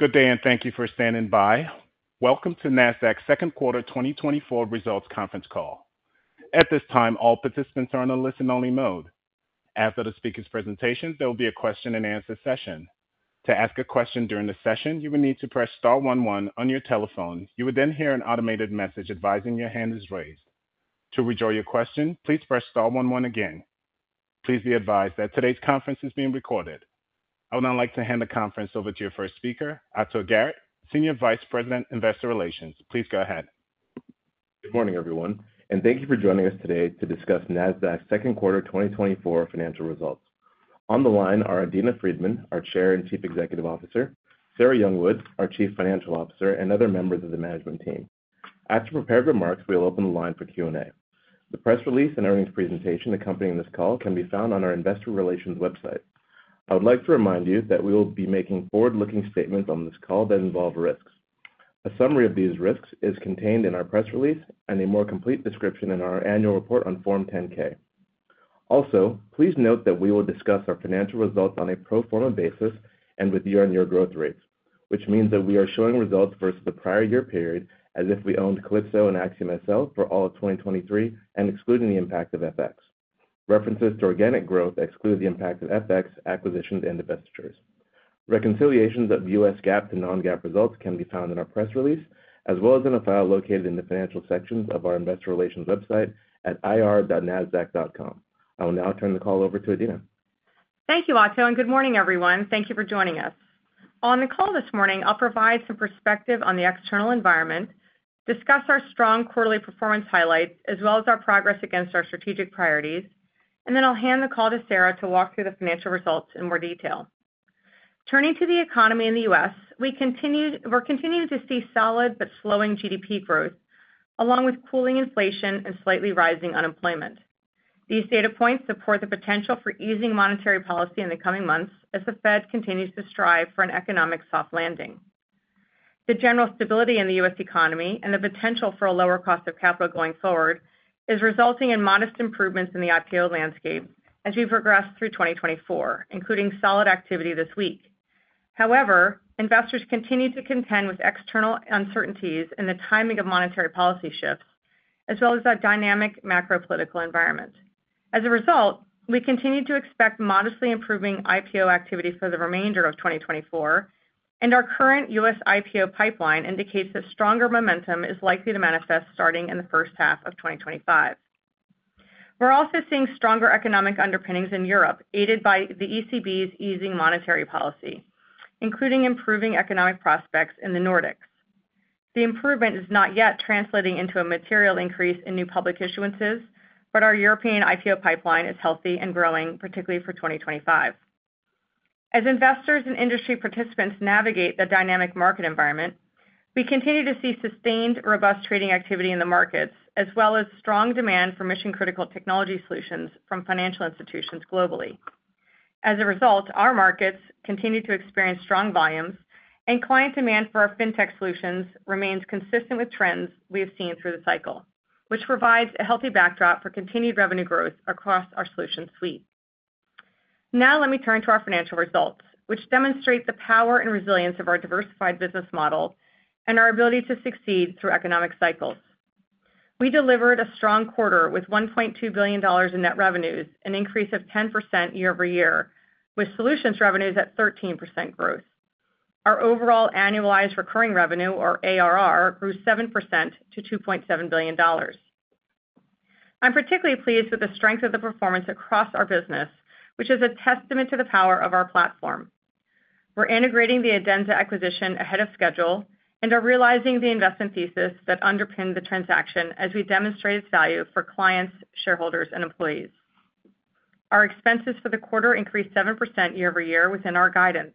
Good day, and thank you for standing by. Welcome to Nasdaq's second quarter 2024 results conference call. At this time, all participants are in a listen-only mode. After the speakers' presentations, there will be a question-and-answer session. To ask a question during the session, you will need to press Star 11 on your telephone. You will then hear an automated message advising your hand is raised. To withdraw your question, please press Star 11 again. Please be advised that today's conference is being recorded. I would now like to hand the conference over to your first speaker, Ato Garrett, Senior Vice President, Investor Relations. Please go ahead. Good morning, everyone, and thank you for joining us today to discuss Nasdaq's second quarter 2024 financial results. On the line are Adena Friedman, our Chair and Chief Executive Officer; Sarah Youngwood, our Chief Financial Officer; and other members of the management team. After prepared remarks, we will open the line for Q&A. The press release and earnings presentation accompanying this call can be found on our Investor Relations website. I would like to remind you that we will be making forward-looking statements on this call that involve risks. A summary of these risks is contained in our press release and a more complete description in our annual report on Form 10-K. Also, please note that we will discuss our financial results on a pro forma basis and with year-on-year growth rates, which means that we are showing results versus the prior year period as if we owned Calypso and AxiomSL for all of 2023 and excluding the impact of FX. References to organic growth exclude the impact of FX, acquisitions, and divestitures. Reconciliations of U.S. GAAP to non-GAAP results can be found in our press release, as well as in a file located in the financial sections of our Investor Relations website at ir.nasdaq.com. I will now turn the call over to Adena. Thank you, Ato, and good morning, everyone. Thank you for joining us. On the call this morning, I'll provide some perspective on the external environment, discuss our strong quarterly performance highlights, as well as our progress against our strategic priorities, and then I'll hand the call to Sarah to walk through the financial results in more detail. Turning to the economy in the U.S., we continue to see solid but slowing GDP growth, along with cooling inflation and slightly rising unemployment. These data points support the potential for easing monetary policy in the coming months as the Fed continues to strive for an economic soft landing. The general stability in the U.S. economy and the potential for a lower cost of capital going forward is resulting in modest improvements in the IPO landscape as we progress through 2024, including solid activity this week. However, investors continue to contend with external uncertainties in the timing of monetary policy shifts, as well as a dynamic macro-political environment. As a result, we continue to expect modestly improving IPO activity for the remainder of 2024, and our current U.S. IPO pipeline indicates that stronger momentum is likely to manifest starting in the first half of 2025. We're also seeing stronger economic underpinnings in Europe, aided by the ECB's easing monetary policy, including improving economic prospects in the Nordics. The improvement is not yet translating into a material increase in new public issuances, but our European IPO pipeline is healthy and growing, particularly for 2025. As investors and industry participants navigate the dynamic market environment, we continue to see sustained robust trading activity in the markets, as well as strong demand for mission-critical technology solutions from financial institutions globally. As a result, our markets continue to experience strong volumes, and client demand for our fintech solutions remains consistent with trends we have seen through the cycle, which provides a healthy backdrop for continued revenue growth across our solution suite. Now, let me turn to our financial results, which demonstrate the power and resilience of our diversified business model and our ability to succeed through economic cycles. We delivered a strong quarter with $1.2 billion in net revenues, an increase of 10% year-over-year, with solutions revenues at 13% growth. Our overall annualized recurring revenue, or ARR, grew 7% to $2.7 billion. I'm particularly pleased with the strength of the performance across our business, which is a testament to the power of our platform. We're integrating the Adenza acquisition ahead of schedule and are realizing the investment thesis that underpinned the transaction as we demonstrated its value for clients, shareholders, and employees. Our expenses for the quarter increased 7% year-over-year within our guidance.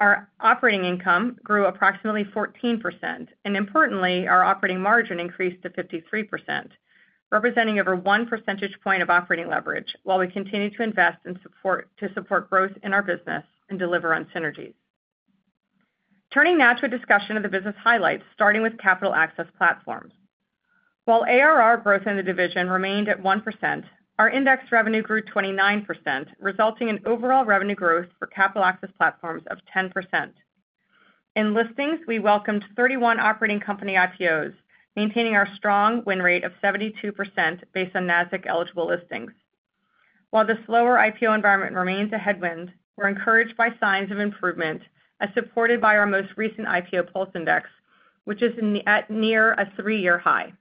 Our operating income grew approximately 14%, and importantly, our operating margin increased to 53%, representing over one percentage point of operating leverage, while we continue to invest to support growth in our business and deliver on synergies. Turning now to a discussion of the business highlights, starting with Capital Access Platforms. While ARR growth in the division remained at 1%, our indexed revenue grew 29%, resulting in overall revenue growth for Capital Access Platforms of 10%. In listings, we welcomed 31 operating company IPOs, maintaining our strong win rate of 72% based on Nasdaq-eligible listings. While the slower IPO environment remains a headwind, we're encouraged by signs of improvement, as supported by our most recent IPO Pulse Index, which is near a three-year high.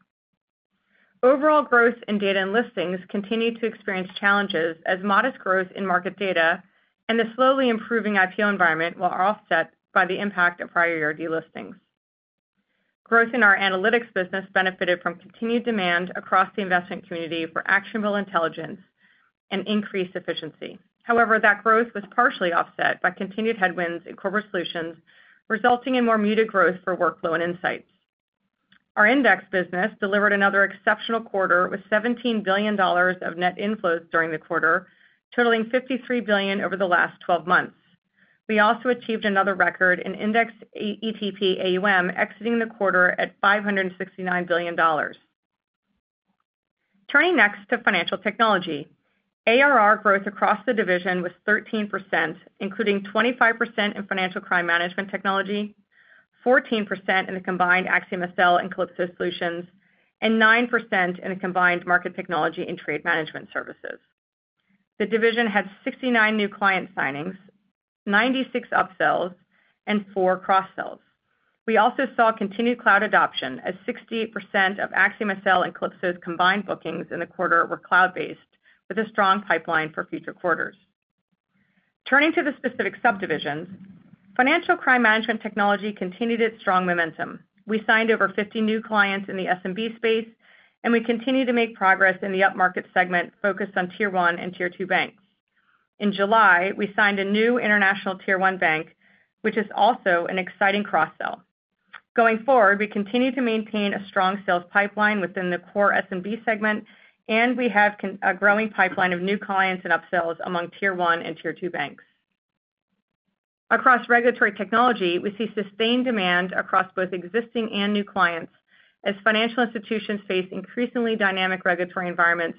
Overall growth in Data and Listings continued to experience challenges, as modest growth in market data and the slowly improving IPO environment were offset by the impact of prior year delistings. Growth in our Analytics business benefited from continued demand across the investment community for actionable intelligence and increased efficiency. However, that growth was partially offset by continued headwinds in Corporate Solutions, resulting in more muted growth for Workflow and Insights. Our Index business delivered another exceptional quarter with $17 billion of net inflows during the quarter, totaling $53 billion over the last 12 months. We also achieved another record in indexed ETP AUM, exiting the quarter at $569 billion. Turning next to Financial Technology, ARR growth across the division was 13%, including 25% in Financial Crime Management Technology, 14% in the combined AxiomSL and Calypso solutions, and 9% in the combined Market Technology and Trade Management Services. The division had 69 new client signings, 96 upsells, and 4 cross-sells. We also saw continued cloud adoption, as 68% of AxiomSL and Calypso's combined bookings in the quarter were cloud-based, with a strong pipeline for future quarters. Turning to the specific subdivisions, Financial Crime Management Technology continued its strong momentum. We signed over 50 new clients in the SMB space, and we continue to make progress in the upmarket segment focused on tier one and tier two banks. In July, we signed a new international tier one bank, which is also an exciting cross-sell. Going forward, we continue to maintain a strong sales pipeline within the core SMB segment, and we have a growing pipeline of new clients and upsells among tier one and tier two banks. Across regulatory technology, we see sustained demand across both existing and new clients, as financial institutions face increasingly dynamic regulatory environments,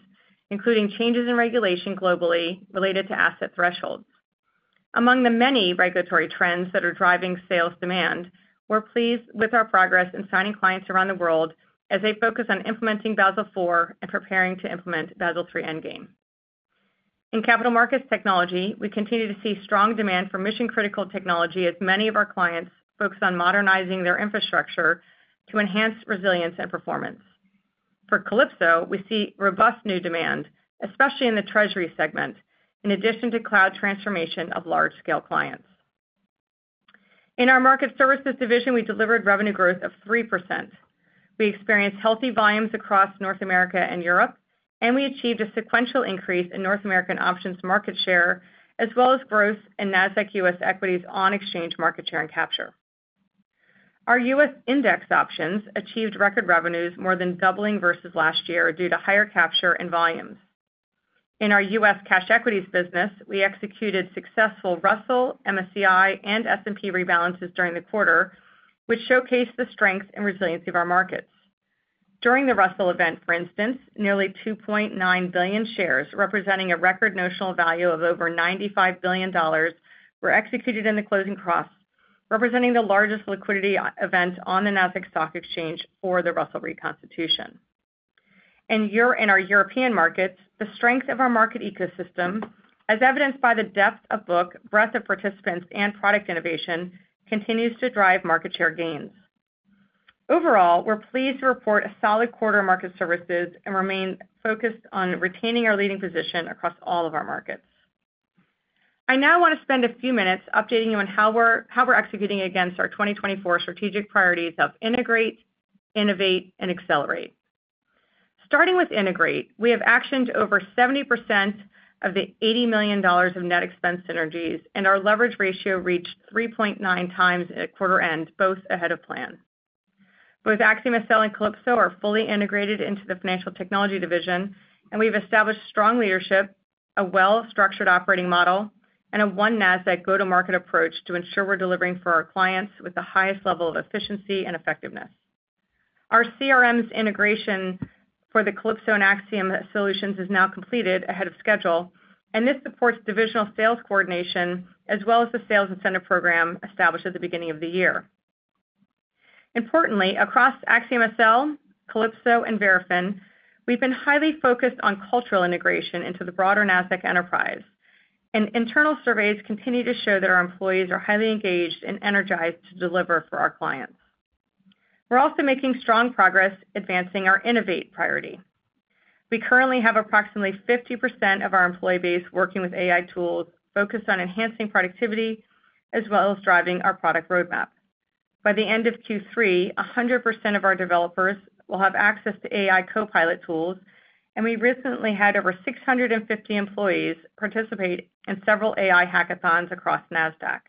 including changes in regulation globally related to asset thresholds. Among the many regulatory trends that are driving sales demand, we're pleased with our progress in signing clients around the world as they focus on implementing Basel IV and preparing to implement Basel III Endgame. In Capital Markets Technology, we continue to see strong demand for mission-critical technology, as many of our clients focus on modernizing their infrastructure to enhance resilience and performance. For Calypso, we see robust new demand, especially in the Treasury segment, in addition to cloud transformation of large-scale clients. In our Market Services division, we delivered revenue growth of 3%. We experienced healthy volumes across North America and Europe, and we achieved a sequential increase in North American options market share, as well as growth in Nasdaq U.S. equities on exchange market share and capture. Our U.S. index options achieved record revenues, more than doubling versus last year due to higher capture and volumes. In our U.S. Cash Equities business, we executed successful Russell, MSCI, and S&P rebalances during the quarter, which showcased the strength and resiliency of our markets. During the Russell event, for instance, nearly 2.9 billion shares, representing a record notional value of over $95 billion, were executed in the closing cross, representing the largest liquidity event on the Nasdaq Stock Exchange for the Russell reconstitution. In our European markets, the strength of our market ecosystem, as evidenced by the depth of book, breadth of participants, and product innovation, continues to drive market share gains. Overall, we're pleased to report a solid quarter of Market Services and remain focused on retaining our leading position across all of our markets. I now want to spend a few minutes updating you on how we're executing against our 2024 strategic priorities of Integrate, Innovate, and Accelerate. Starting with Integrate, we have actioned over 70% of the $80 million of net expense synergies, and our leverage ratio reached 3.9x at quarter end, both ahead of plan. Both AxiomSL and Calypso are fully integrated into the Financial Technology division, and we've established strong leadership, a well-structured operating model, and a one-Nasdaq go-to-market approach to ensure we're delivering for our clients with the highest level of efficiency and effectiveness. Our CRM's integration for the Calypso and AxiomSL solutions is now completed ahead of schedule, and this supports divisional sales coordination, as well as the Sales Incentive program established at the beginning of the year. Importantly, across AxiomSL, Calypso, and Verafin, we've been highly focused on cultural integration into the broader Nasdaq enterprise, and internal surveys continue to show that our employees are highly engaged and energized to deliver for our clients. We're also making strong progress advancing our innovation priority. We currently have approximately 50% of our employee base working with AI tools focused on enhancing productivity, as well as driving our product roadmap. By the end of Q3, 100% of our developers will have access to AI copilot tools, and we recently had over 650 employees participate in several AI hackathons across Nasdaq.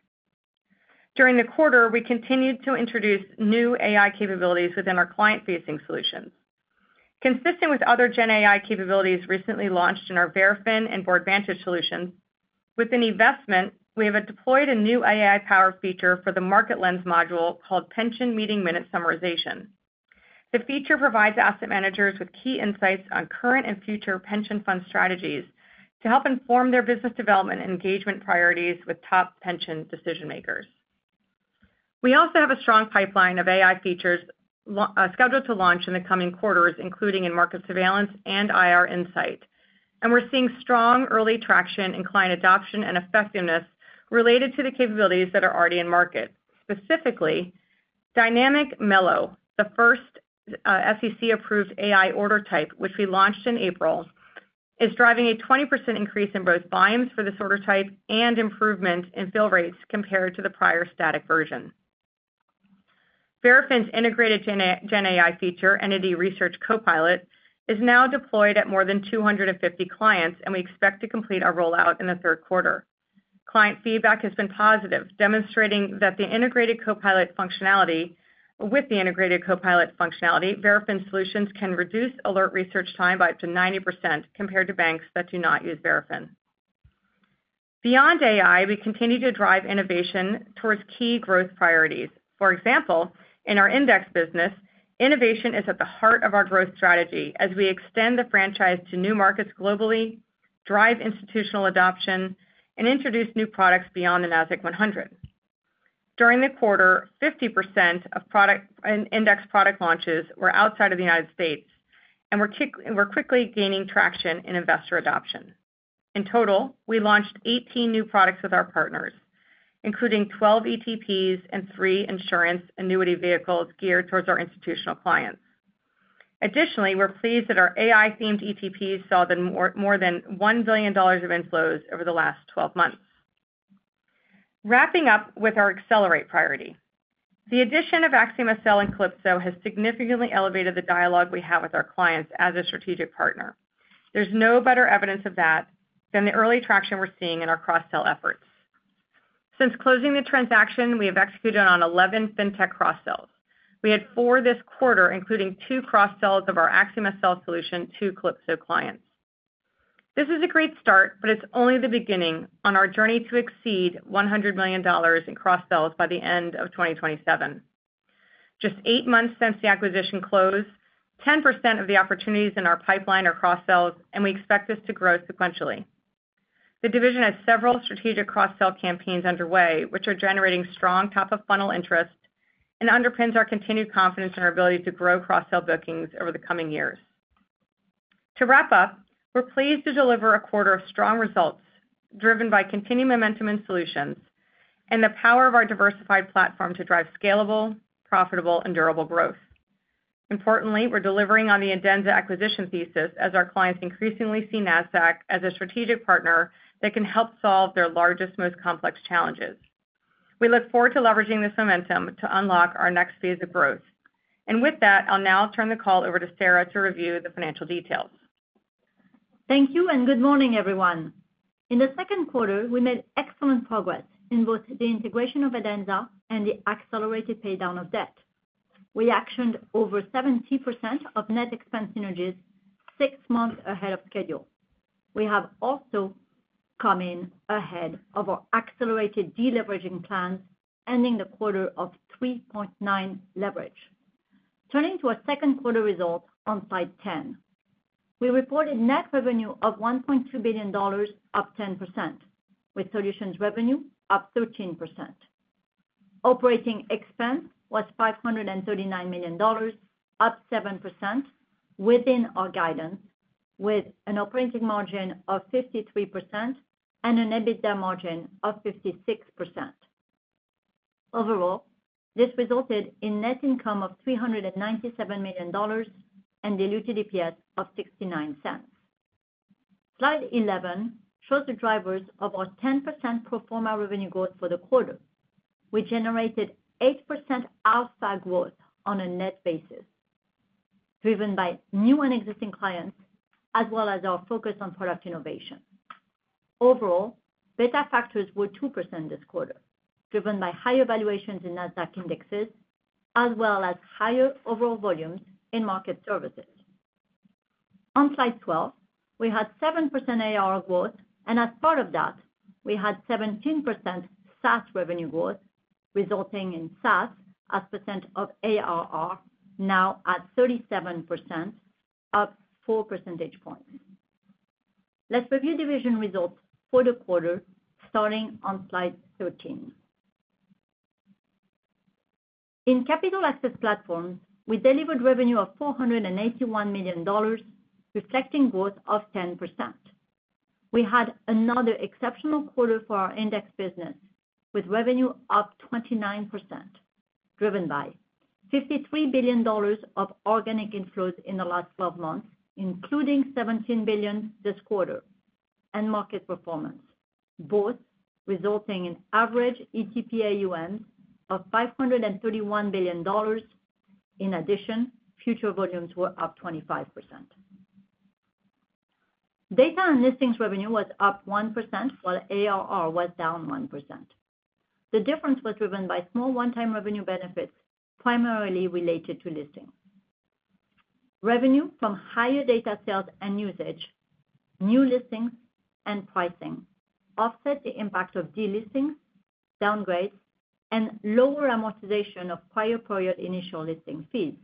During the quarter, we continued to introduce new AI capabilities within our client-facing solutions. Consistent with other GenAI capabilities recently launched in our Verafin and Boardvantage solutions, with an investment, we have deployed a new AI-powered feature for the Market Lens module called Pension Meeting Minute Summarization. The feature provides asset managers with key insights on current and future pension fund strategies to help inform their business development and engagement priorities with top pension decision-makers. We also have a strong pipeline of AI features scheduled to launch in the coming quarters, including in Market Surveillance and IR Insight, and we're seeing strong early traction in client adoption and effectiveness related to the capabilities that are already in market. Specifically, Dynamic M-ELO, the first SEC-approved AI order type, which we launched in April, is driving a 20% increase in both volumes for this order type and improvement in fill rates compared to the prior static version. Verafin's integrated GenAI feature, Entity Research Copilot, is now deployed at more than 250 clients, and we expect to complete our rollout in the third quarter. Client feedback has been positive, demonstrating that the integrated Copilot functionality with the integrated Copilot functionality, Verafin solutions can reduce alert research time by up to 90% compared to banks that do not use Verafin. Beyond AI, we continue to drive innovation towards key growth priorities. For example, in our Index business, innovation is at the heart of our growth strategy as we extend the franchise to new markets globally, drive institutional adoption, and introduce new products beyond the Nasdaq-100. During the quarter, 50% of index product launches were outside of the United States, and we're quickly gaining traction in investor adoption. In total, we launched 18 new products with our partners, including 12 ETPs and three insurance annuity vehicles geared towards our institutional clients. Additionally, we're pleased that our AI-themed ETPs saw more than $1 billion of inflows over the last 12 months. Wrapping up with our accelerate priority, the addition of AxiomSL and Calypso has significantly elevated the dialogue we have with our clients as a strategic partner. There's no better evidence of that than the early traction we're seeing in our cross-sell efforts. Since closing the transaction, we have executed on 11 fintech cross-sells. We had four this quarter, including two cross-sells of our AxiomSL solution to Calypso clients. This is a great start, but it's only the beginning on our journey to exceed $100 million in cross-sells by the end of 2027. Just eight months since the acquisition close, 10% of the opportunities in our pipeline are cross-sells, and we expect this to grow sequentially. The division has several strategic cross-sell campaigns underway, which are generating strong top-of-funnel interest and underpins our continued confidence in our ability to grow cross-sell bookings over the coming years. To wrap up, we're pleased to deliver a quarter of strong results driven by continued momentum in solutions and the power of our diversified platform to drive scalable, profitable, and durable growth. Importantly, we're delivering on the Adenza acquisition thesis as our clients increasingly see Nasdaq as a strategic partner that can help solve their largest, most complex challenges. We look forward to leveraging this momentum to unlock our next phase of growth. And with that, I'll now turn the call over to Sarah to review the financial details. Thank you and good morning, everyone. In the second quarter, we made excellent progress in both the integration of Adenza and the accelerated paydown of debt. We actioned over 70% of net expense synergies six months ahead of schedule. We have also come in ahead of our accelerated deleveraging plans, ending the quarter of 3.9 leverage. Turning to our second quarter results on slide 10, we reported net revenue of $1.2 billion, up 10%, with solutions revenue up 13%. Operating expense was $539 million, up 7%, within our guidance, with an operating margin of 53% and an EBITDA margin of 56%. Overall, this resulted in net income of $397 million and diluted EPS of $0.69. Slide 11 shows the drivers of our 10% proforma revenue growth for the quarter. We generated 8% alpha growth on a net basis, driven by new and existing clients, as well as our focus on product innovation. Overall, beta factors were 2% this quarter, driven by higher valuations in Nasdaq indexes, as well as higher overall volumes in Market Services. On slide 12, we had 7% ARR growth, and as part of that, we had 17% SaaS revenue growth, resulting in SaaS as percent of ARR, now at 37%, up 4 percentage points. Let's review division results for the quarter, starting on slide 13. In Capital Access Platforms, we delivered revenue of $481 million, reflecting growth of 10%. We had another exceptional quarter for our Index business, with revenue up 29%, driven by $53 billion of organic inflows in the last 12 months, including $17 billion this quarter, and market performance, both resulting in average ETP AUMs of $531 billion. In addition, future volumes were up 25%. Data and Listings revenue was up 1%, while ARR was down 1%. The difference was driven by small one-time revenue benefits primarily related to listing. Revenue from higher data sales and usage, new listings, and pricing offset the impact of delistings, downgrades, and lower amortization of prior period initial listing fees.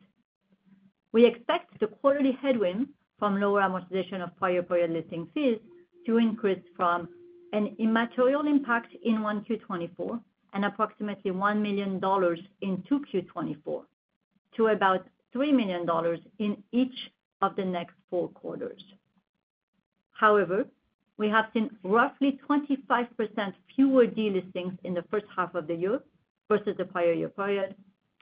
We expect the quarterly headwind from lower amortization of prior period listing fees to increase from an immaterial impact in 1Q24 and approximately $1 million in 2Q24 to about $3 million in each of the next four quarters. However, we have seen roughly 25% fewer delistings in the first half of the year versus the prior year period,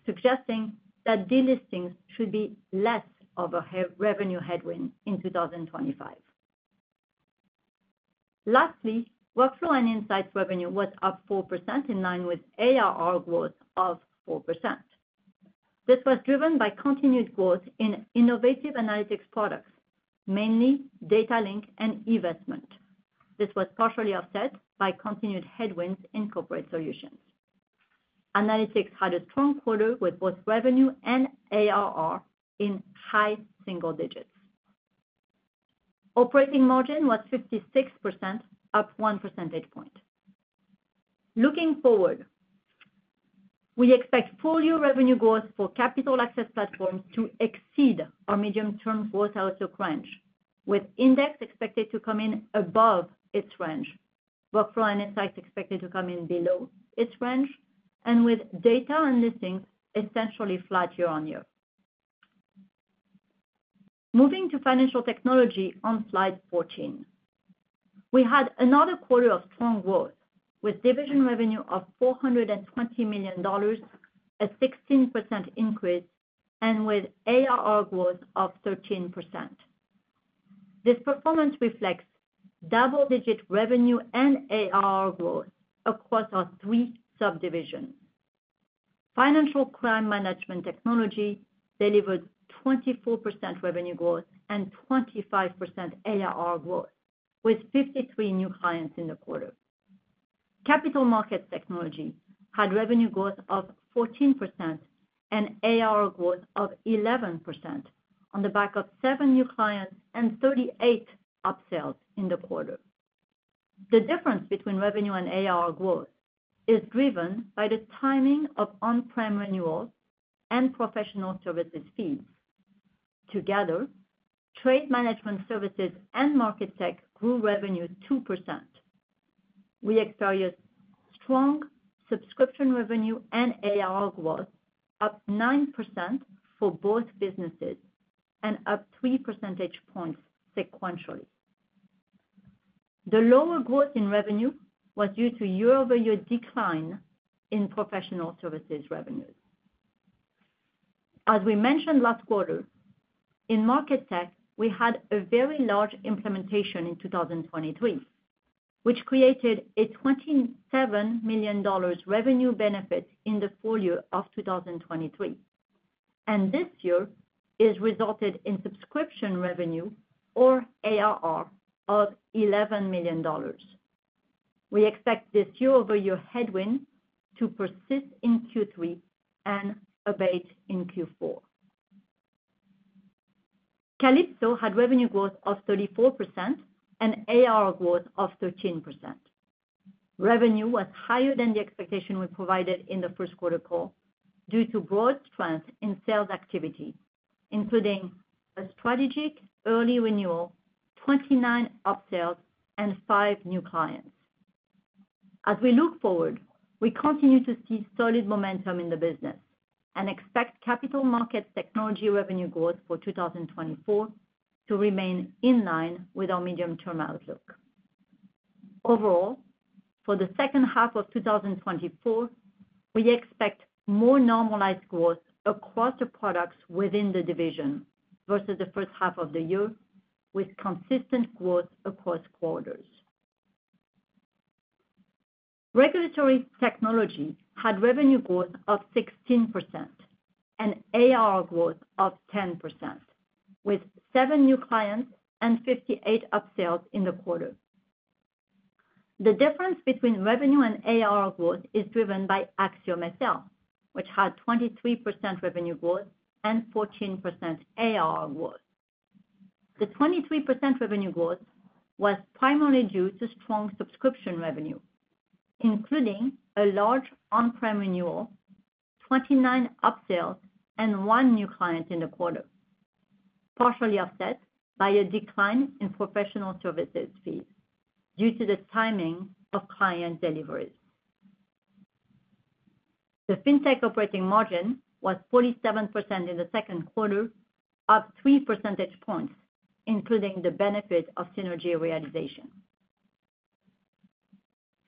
suggesting that delistings should be less of a revenue headwind in 2025. Lastly, Workflow and Insights revenue was up 4% in line with ARR growth of 4%. This was driven by continued growth in innovative analytics products, mainly Data Link and eVestment. This was partially offset by continued headwinds in Corporate Solutions. Analytics had a strong quarter with both revenue and ARR in high single digits. Operating margin was 56%, up 1 percentage point. Looking forward, we expect full year revenue growth for Capital Access Platforms to exceed our medium-term growth outlook range, with Index expected to come in above its range, Workflow and Insights expected to come in below its range, and with Data and Listings essentially flat year-over-year. Moving to Financial Technology on slide 14, we had another quarter of strong growth with division revenue of $420 million, a 16% increase, and with ARR growth of 13%. This performance reflects double-digit revenue and ARR growth across our three subdivisions. Financial Crime Management Technology delivered 24% revenue growth and 25% ARR growth, with 53 new clients in the quarter. Capital Markets Technology had revenue growth of 14% and ARR growth of 11% on the back of 7 new clients and 38 upsells in the quarter. The difference between revenue and ARR growth is driven by the timing of on-prem renewals and professional services fees. Together, Trade Management Services and Market Tech grew revenue 2%. We experienced strong subscription revenue and ARR growth, up 9% for both businesses and up 3 percentage points sequentially. The lower growth in revenue was due to year-over-year decline in professional services revenues. As we mentioned last quarter, in Market Tech, we had a very large implementation in 2023, which created a $27 million revenue benefit in the full year of 2023. This year has resulted in subscription revenue, or ARR, of $11 million. We expect this year-over-year headwind to persist in Q3 and abate in Q4. Calypso had revenue growth of 34% and ARR growth of 13%. Revenue was higher than the expectation we provided in the first quarter call due to broad strength in sales activity, including a strategic early renewal, 29 upsells, and 5 new clients. As we look forward, we continue to see solid momentum in the business and expect Capital Markets Technology revenue growth for 2024 to remain in line with our medium-term outlook. Overall, for the second half of 2024, we expect more normalized growth across the products within the division versus the first half of the year, with consistent growth across quarters. Regulatory Technology had revenue growth of 16% and ARR growth of 10%, with 7 new clients and 58 upsells in the quarter. The difference between revenue and ARR growth is driven by AxiomSL, which had 23% revenue growth and 14% ARR growth. The 23% revenue growth was primarily due to strong subscription revenue, including a large on-prem renewal, 29 upsells, and 1 new client in the quarter, partially offset by a decline in professional services fees due to the timing of client deliveries. The Fintech operating margin was 47% in the second quarter, up 3 percentage points, including the benefit of synergy realization.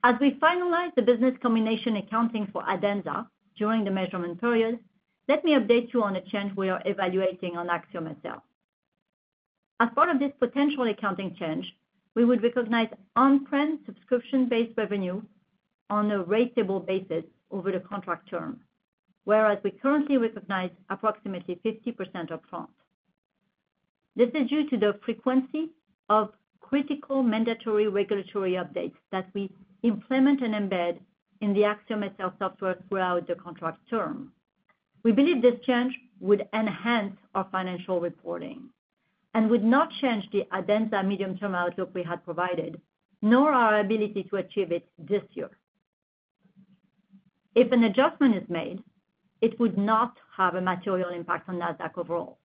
As we finalize the business combination accounting for Adenza during the measurement period, let me update you on a change we are evaluating on AxiomSL. As part of this potential accounting change, we would recognize on-prem subscription-based revenue on a ratable basis over the contract term, whereas we currently recognize approximately 50% upfront. This is due to the frequency of critical mandatory regulatory updates that we implement and embed in the AxiomSL software throughout the contract term. We believe this change would enhance our financial reporting and would not change the Adenza medium-term outlook we had provided, nor our ability to achieve it this year. If an adjustment is made, it would not have a material impact on Nasdaq overall.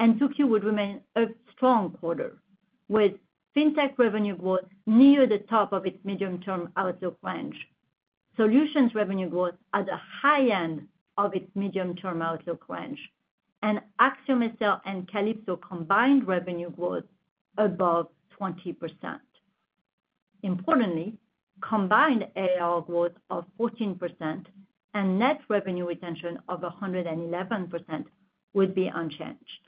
2Q would remain a strong quarter, with Fintech revenue growth near the top of its medium-term outlook range, Solutions revenue growth at the high end of its medium-term outlook range, and AxiomSL and Calypso combined revenue growth above 20%. Importantly, combined ARR growth of 14% and net revenue retention of 111% would be unchanged.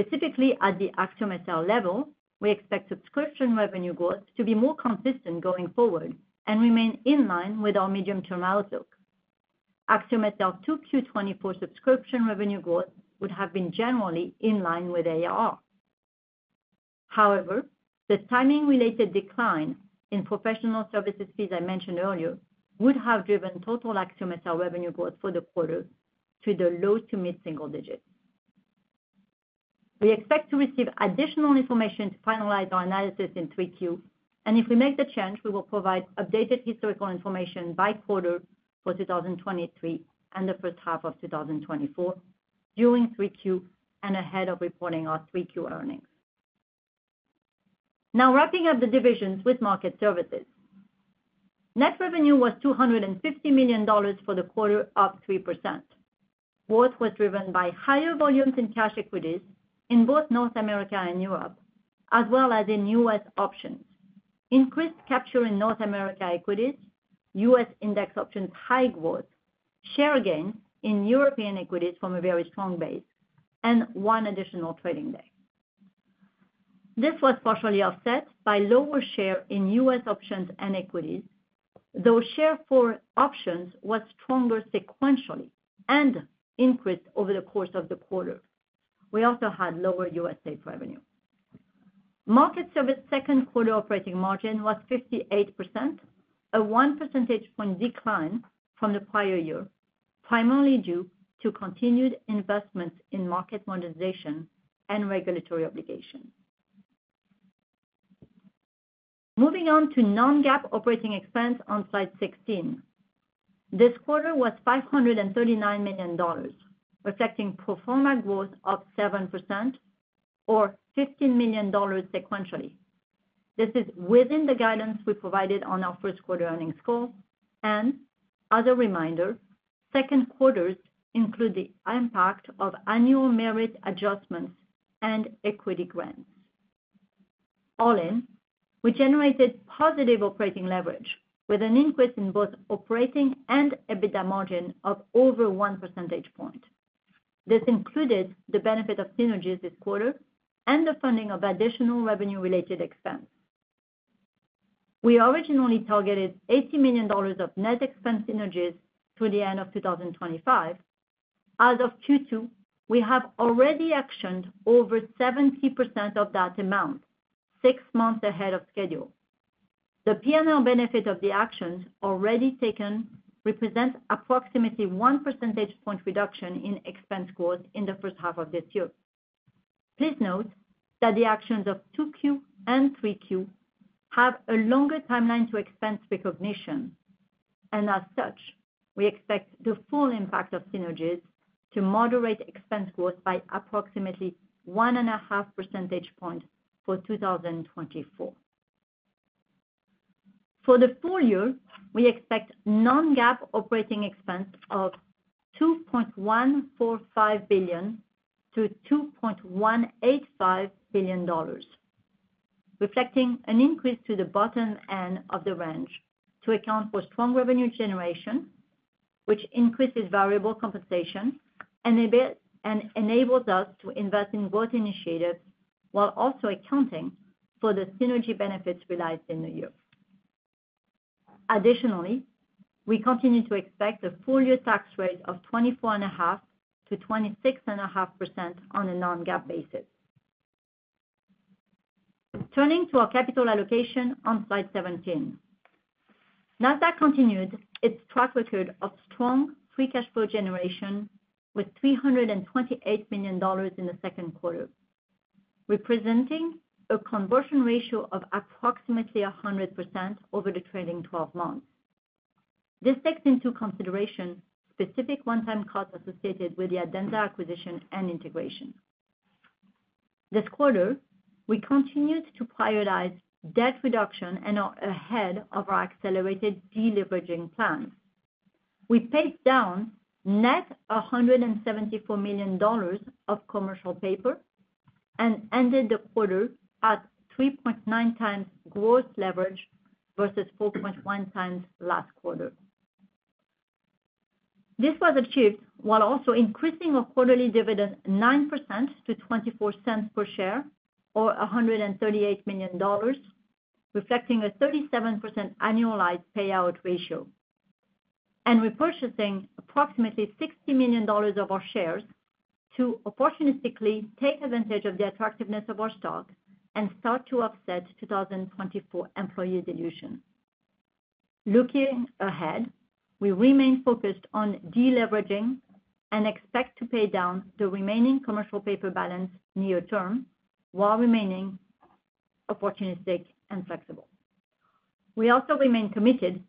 Specifically at the AxiomSL level, we expect Subscription revenue growth to be more consistent going forward and remain in line with our medium-term outlook. AxiomSL 2Q 2024 Subscription revenue growth would have been generally in line with ARR. However, the timing-related decline in professional services fees I mentioned earlier would have driven total AxiomSL revenue growth for the quarter to the low- to mid-single digits. We expect to receive additional information to finalize our analysis in 3Q. If we make the change, we will provide updated historical information by quarter for 2023 and the first half of 2024 during 3Q and ahead of reporting our 3Q earnings. Now wrapping up the divisions with Market Services. Net revenue was $250 million for the quarter, up 3%. Growth was driven by higher volumes in cash equities in both North America and Europe, as well as in U.S. options, increased capture in North America equities, U.S. index options high growth, share gains in European equities from a very strong base, and one additional trading day. This was partially offset by lower share in U.S. options and equities, though share for options was stronger sequentially and increased over the course of the quarter. We also had lower U.S.-based revenue. Market Services second quarter operating margin was 58%, a 1 percentage point decline from the prior year, primarily due to continued investments in market monetization and regulatory obligations. Moving on to non-GAAP operating expense on slide 16. This quarter was $539 million, reflecting pro forma growth of 7%, or $15 million sequentially. This is within the guidance we provided on our first quarter earnings call. And as a reminder, second quarters include the impact of annual merit adjustments and equity grants. All in, we generated positive operating leverage with an increase in both operating and EBITDA margin of over 1 percentage point. This included the benefit of synergies this quarter and the funding of additional revenue-related expense. We originally targeted $80 million of net expense synergies through the end of 2025. As of Q2, we have already actioned over 70% of that amount, six months ahead of schedule. The P&L benefit of the actions already taken represents approximately 1 percentage point reduction in expense growth in the first half of this year. Please note that the actions of Q2 and Q3 have a longer timeline to expense recognition. As such, we expect the full impact of synergies to moderate expense growth by approximately one and a half percentage points for 2024. For the full year, we expect non-GAAP operating expense of $2.145 billion-$2.185 billion, reflecting an increase to the bottom end of the range to account for strong revenue generation, which increases variable compensation and enables us to invest in growth initiatives while also accounting for the synergy benefits realized in the year. Additionally, we continue to expect a full year tax rate of 24.5%-26.5% on a non-GAAP basis. Turning to our capital allocation on slide 17, Nasdaq continued its track record of strong free cash flow generation with $328 million in the second quarter, representing a conversion ratio of approximately 100% over the trading 12 months. This takes into consideration specific one-time costs associated with the Adenza acquisition and integration. This quarter, we continued to prioritize debt reduction and are ahead of our accelerated deleveraging plans. We paid down net $174 million of commercial paper and ended the quarter at 3.9x gross leverage versus 4.1x last quarter. This was achieved while also increasing our quarterly dividend 9% to $0.24 per share, or $138 million, reflecting a 37% annualized payout ratio. And we're purchasing approximately $60 million of our shares to opportunistically take advantage of the attractiveness of our stock and start to offset 2024 employee dilution. Looking ahead, we remain focused on deleveraging and expect to pay down the remaining commercial paper balance near term while remaining opportunistic and flexible. We also remain committed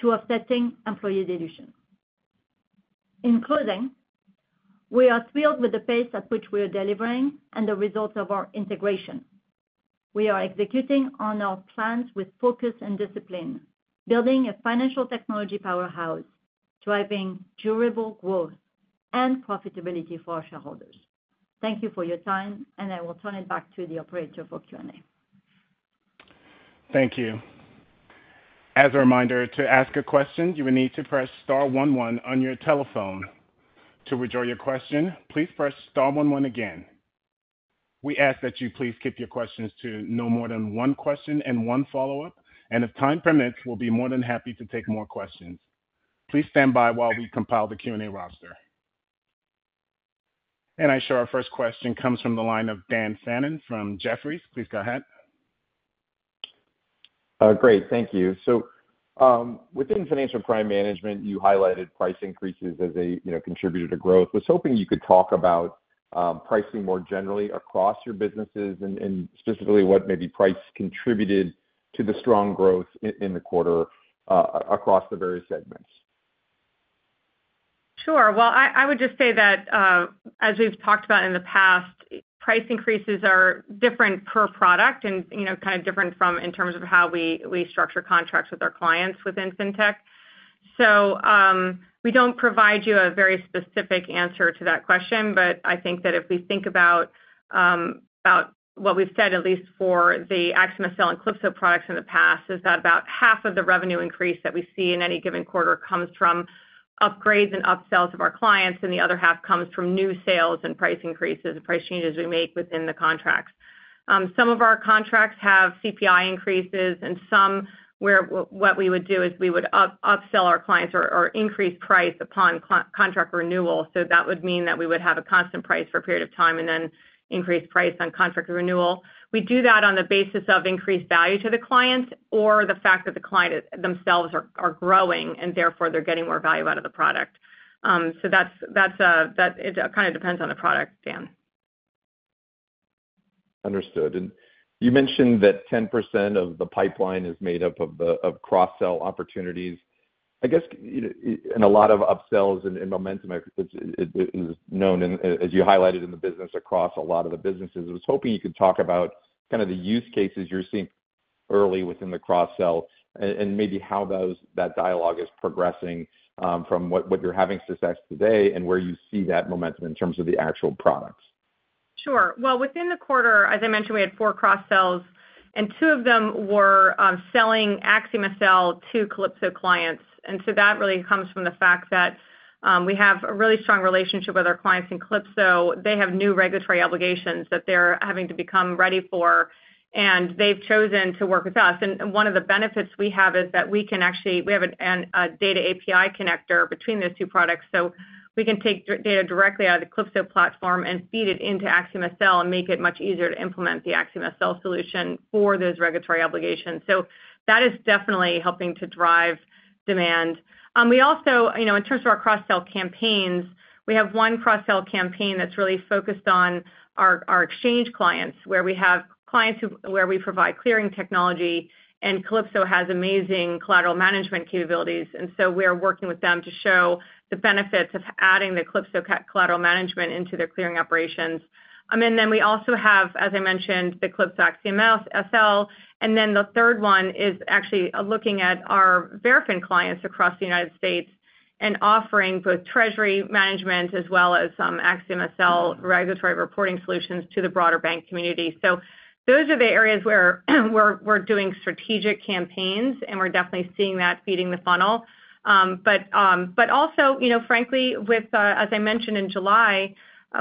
to offsetting employee dilution. In closing, we are thrilled with the pace at which we are delivering and the results of our integration. We are executing on our plans with focus and discipline, building a Financial Technology powerhouse driving durable growth and profitability for our shareholders. Thank you for your time, and I will turn it back to the operator for Q&A. Thank you. As a reminder, to ask a question, you will need to press Star 11 on your telephone. To withdraw your question, please press Star 11 again. We ask that you please keep your questions to no more than one question and one follow-up. If time permits, we'll be more than happy to take more questions. Please stand by while we compile the Q&A roster. I show our first question comes from the line of Dan Fannon from Jefferies. Please go ahead. Great. Thank you. So within Financial Crime Management, you highlighted price increases as a contributor to growth. I was hoping you could talk about pricing more generally across your businesses and specifically what maybe price contributed to the strong growth in the quarter across the various segments. Sure. Well, I would just say that as we've talked about in the past, price increases are different per product and kind of different in terms of how we structure contracts with our clients within fintech. So we don't provide you a very specific answer to that question, but I think that if we think about what we've said, at least for the AxiomSL and Calypso products in the past, is that about half of the revenue increase that we see in any given quarter comes from upgrades and upsells of our clients, and the other half comes from new sales and price increases and price changes we make within the contracts. Some of our contracts have CPI increases, and some where what we would do is we would upsell our clients or increase price upon contract renewal. So that would mean that we would have a constant price for a period of time and then increase price on contract renewal. We do that on the basis of increased value to the clients or the fact that the clients themselves are growing and therefore they're getting more value out of the product. So that kind of depends on the product, Dan. Understood. And you mentioned that 10% of the pipeline is made up of cross-sell opportunities. I guess in a lot of upsells and momentum, as you highlighted in the business across a lot of the businesses, I was hoping you could talk about kind of the use cases you're seeing early within the cross-sell and maybe how that dialogue is progressing from what you're having success today and where you see that momentum in terms of the actual products. Sure. Well, within the quarter, as I mentioned, we had four cross-sells, and two of them were selling AxiomSL to Calypso clients. And so that really comes from the fact that we have a really strong relationship with our clients in Calypso. They have new regulatory obligations that they're having to become ready for, and they've chosen to work with us. And one of the benefits we have is that we can actually—we have a data API connector between those two products. So we can take data directly out of the Calypso platform and feed it into AxiomSL and make it much easier to implement the AxiomSL solution for those regulatory obligations. So that is definitely helping to drive demand. In terms of our cross-sell campaigns, we have one cross-sell campaign that's really focused on our exchange clients, where we have clients where we provide clearing technology, and Calypso has amazing collateral management capabilities. So we are working with them to show the benefits of adding the Calypso collateral management into their clearing operations. Then we also have, as I mentioned, the Calypso AxiomSL. Then the third one is actually looking at our Verafin clients across the United States and offering both treasury management as well as AxiomSL Regulatory Reporting Solutions to the broader bank community. Those are the areas where we're doing strategic campaigns, and we're definitely seeing that feeding the funnel. But also, frankly, as I mentioned in July,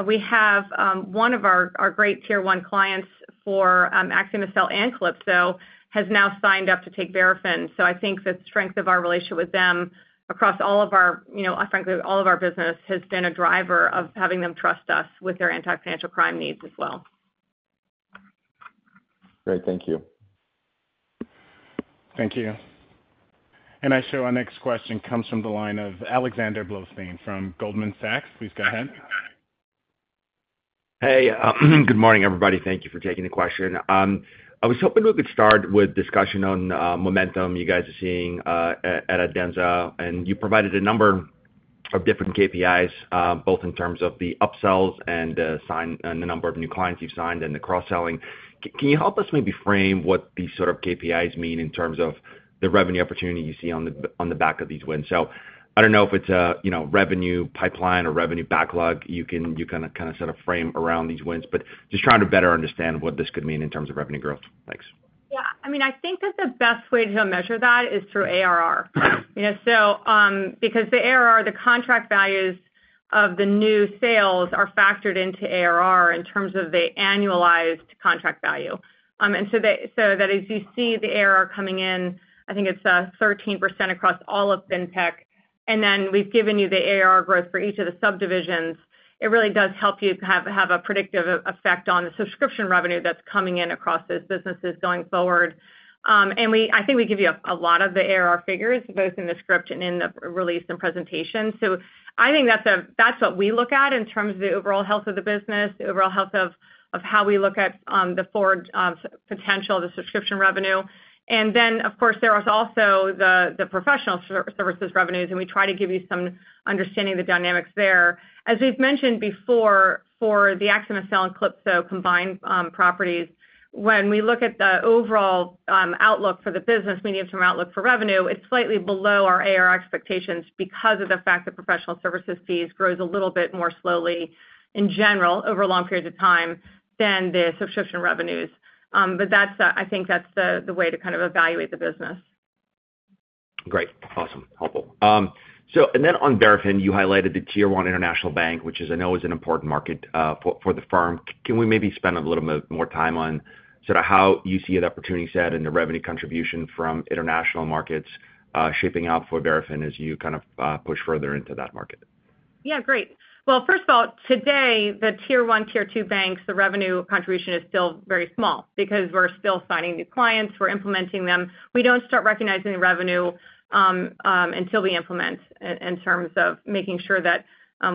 we have one of our great tier one clients for AxiomSL and Calypso has now signed up to take Verafin. So I think the strength of our relationship with them across all of our, frankly, all of our business has been a driver of having them trust us with their anti-financial crime needs as well. Great. Thank you. Thank you. And our next question comes from the line of Alexander Blostein from Goldman Sachs. Please go ahead. Hey. Good morning, everybody. Thank you for taking the question. I was hoping we could start with discussion on momentum you guys are seeing at Adenza. And you provided a number of different KPIs, both in terms of the upsells and the number of new clients you've signed and the cross-selling. Can you help us maybe frame what these sort of KPIs mean in terms of the revenue opportunity you see on the back of these wins? So I don't know if it's a revenue pipeline or revenue backlog. You can kind of set a frame around these wins, but just trying to better understand what this could mean in terms of revenue growth. Thanks. Yeah. I mean, I think that the best way to measure that is through ARR. So because the ARR, the contract values of the new sales are factored into ARR in terms of the annualized contract value. And so that is, you see the ARR coming in, I think it's 13% across all of fintech. And then we've given you the ARR growth for each of the subdivisions. It really does help you have a predictive effect on the subscription revenue that's coming in across those businesses going forward. And I think we give you a lot of the ARR figures, both in the script and in the release and presentation. So I think that's what we look at in terms of the overall health of the business, the overall health of how we look at the forward potential of the subscription revenue. And then, of course, there are also the Professional Services revenues, and we try to give you some understanding of the dynamics there. As we've mentioned before, for the AxiomSL and Calypso combined properties, when we look at the overall outlook for the business medium-term outlook for revenue, it's slightly below our ARR expectations because of the fact that Professional Services fees grow a little bit more slowly in general over long periods of time than the subscription revenues. But I think that's the way to kind of evaluate the business. Great. Awesome. Helpful. And then on Verafin, you highlighted the tier one international bank, which I know is an important market for the firm. Can we maybe spend a little bit more time on sort of how you see that opportunity set and the revenue contribution from international markets shaping out for Verafin as you kind of push further into that market? Yeah. Great. Well, first of all, today, the tier one, tier two banks, the revenue contribution is still very small because we're still signing new clients. We're implementing them. We don't start recognizing the revenue until we implement in terms of making sure that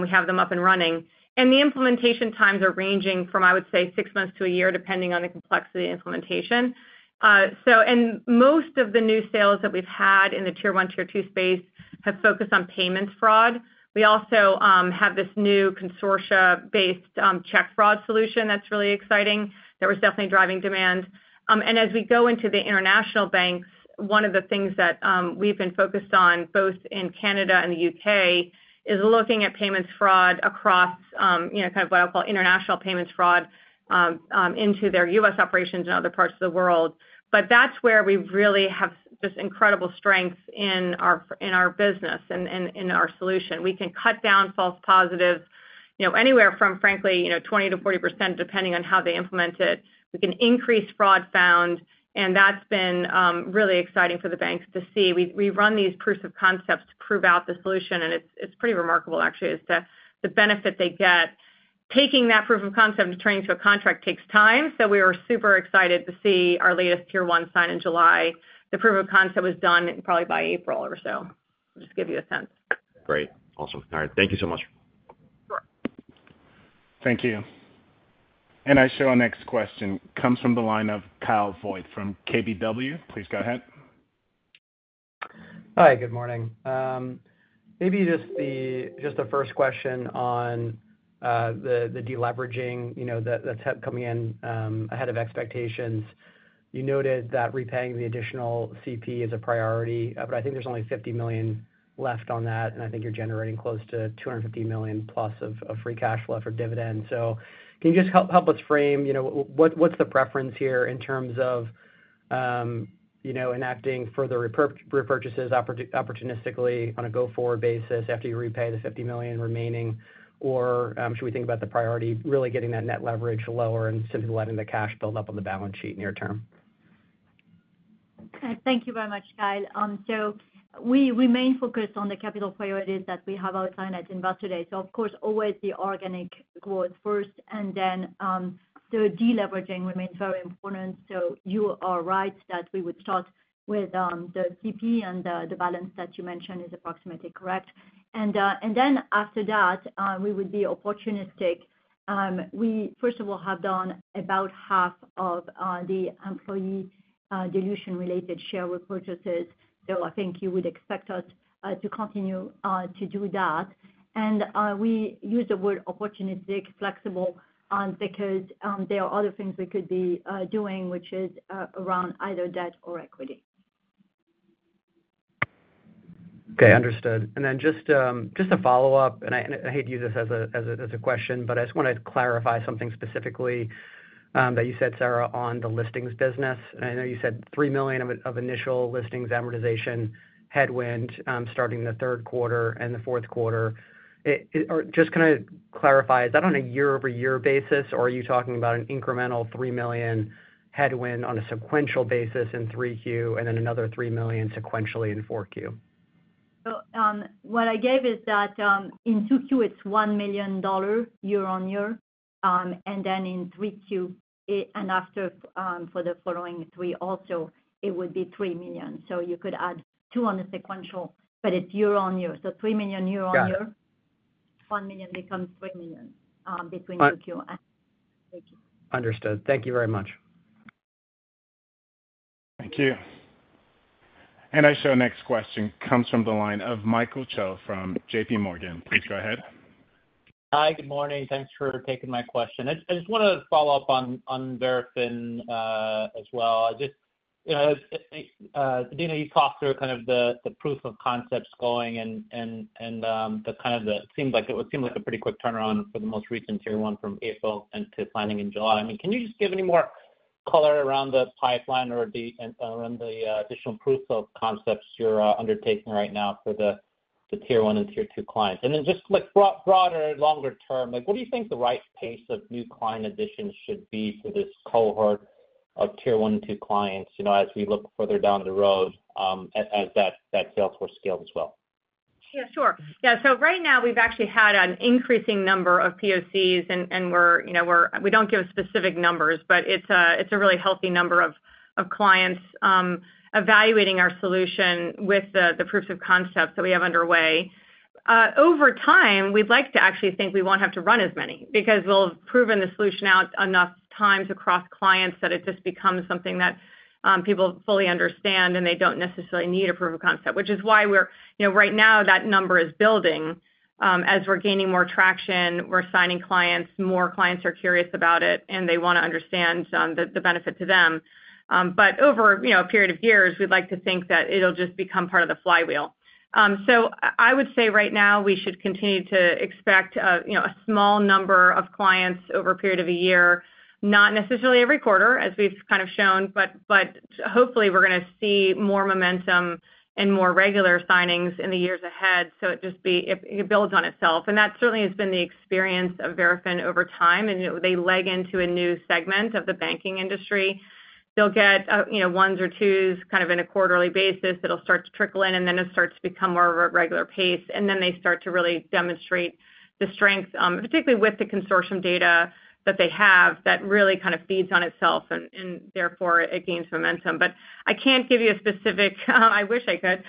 we have them up and running. And the implementation times are ranging from, I would say, six months to a year, depending on the complexity of the implementation. And most of the new sales that we've had in the tier one, tier two space have focused on payments fraud. We also have this new consortia-based check fraud solution that's really exciting. That was definitely driving demand. As we go into the international banks, one of the things that we've been focused on, both in Canada and the U.K., is looking at payments fraud across kind of what I'll call international payments fraud into their U.S. operations and other parts of the world. That's where we really have just incredible strength in our business and in our solution. We can cut down false positives anywhere from, frankly, 20%-40%, depending on how they implement it. We can increase fraud found, and that's been really exciting for the banks to see. We run these proofs of concept to prove out the solution, and it's pretty remarkable, actually, the benefit they get. Taking that proof of concept and turning it into a contract takes time. We were super excited to see our latest tier one sign in July. The proof of concept was done probably by April or so. Just to give you a sense. Great. Awesome. All right. Thank you so much. Thank you. And our next question comes from the line of Kyle Voigt from KBW. Please go ahead. Hi. Good morning. Maybe just the first question on the deleveraging that's coming in ahead of expectations. You noted that repaying the additional CP is a priority, but I think there's only $50 million left on that, and I think you're generating close to $250 million plus of free cash flow for dividends. So can you just help us frame what's the preference here in terms of enacting further repurchases opportunistically on a go-forward basis after you repay the $50 million remaining? Or should we think about the priority really getting that net leverage lower and simply letting the cash build up on the balance sheet near term? Thank you very much, Kyle. So we remain focused on the capital priorities that we have outlined at Investor Day. So, of course, always the organic growth first, and then the deleveraging remains very important. So you are right that we would start with the CP, and the balance that you mentioned is approximately correct. And then after that, we would be opportunistic. We, first of all, have done about half of the employee dilution-related share repurchases. So I think you would expect us to continue to do that. And we use the word opportunistic, flexible, because there are other things we could be doing, which is around either debt or equity. Okay. Understood. And then just a follow-up, and I hate to use this as a question, but I just want to clarify something specifically that you said, Sarah, on the listings business. And I know you said $3 million of initial listings amortization headwind starting the third quarter and the fourth quarter. Just kind of clarify, is that on a year-over-year basis, or are you talking about an incremental $3 million headwind on a sequential basis in 3Q and then another $3 million sequentially in 4Q? So what I gave is that in 2Q, it's $1 million year-over-year, and then in 3Q and after for the following three also, it would be $3 million. So you could add $2 on the sequential, but it's year-over-year. So $3 million year-over-year, $1 million becomes $3 million between 2Q and 3Q. Understood. Thank you very much. Thank you. Our next question comes from the line of Michael Cho from JPMorgan. Please go ahead. Hi. Good morning. Thanks for taking my question. I just want to follow up on Verafin as well. Adena, you talked through kind of the proof of concepts going and the kind of it seemed like it would seem like a pretty quick turnaround for the most recent tier one from April into planning in July. I mean, can you just give any more color around the pipeline or around the additional proof of concepts you're undertaking right now for the tier one and tier two clients? And then just broader, longer term, what do you think the right pace of new client additions should be for this cohort of tier one and two clients as we look further down the road as that sales force scales as well? Yeah. Sure. Yeah. So right now, we've actually had an increasing number of POCs, and we don't give specific numbers, but it's a really healthy number of clients evaluating our solution with the proofs of concepts that we have underway. Over time, we'd like to actually think we won't have to run as many because we'll have proven the solution out enough times across clients that it just becomes something that people fully understand, and they don't necessarily need a proof of concept, which is why right now that number is building. As we're gaining more traction, we're signing clients, more clients are curious about it, and they want to understand the benefit to them. But over a period of years, we'd like to think that it'll just become part of the flywheel. So I would say right now, we should continue to expect a small number of clients over a period of a year, not necessarily every quarter, as we've kind of shown, but hopefully, we're going to see more momentum and more regular signings in the years ahead. So it builds on itself. And that certainly has been the experience of Verafin over time, and they leg into a new segment of the banking industry. They'll get ones or twos kind of on a quarterly basis. It'll start to trickle in, and then it starts to become more of a regular pace, and then they start to really demonstrate the strength, particularly with the consortium data that they have that really kind of feeds on itself, and therefore, it gains momentum. But I can't give you a specific. I wish I could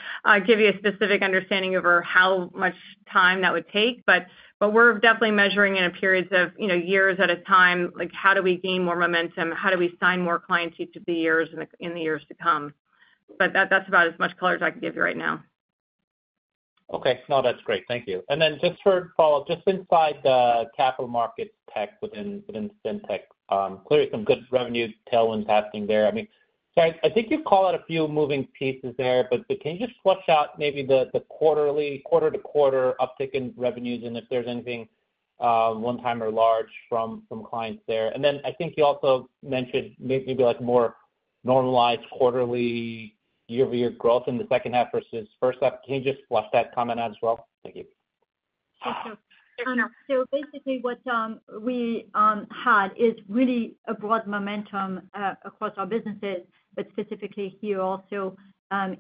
give you a specific understanding over how much time that would take, but we're definitely measuring in periods of years at a time, how do we gain more momentum, how do we sign more clients each of the years in the years to come. But that's about as much color as I can give you right now. Okay. No, that's great. Thank you. And then just for follow-up, just inside the capital markets tech within fintech, clearly some good revenue tailwinds happening there. I mean, I think you've called out a few moving pieces there, but can you just flesh out maybe the quarter-to-quarter uptick in revenues and if there's anything one-time or large from clients there? And then I think you also mentioned maybe more normalized quarterly year-over-year growth in the second half versus first half. Can you just flush that comment out as well? Thank you. Thank you. So basically, what we had is really a broad momentum across our businesses, but specifically here also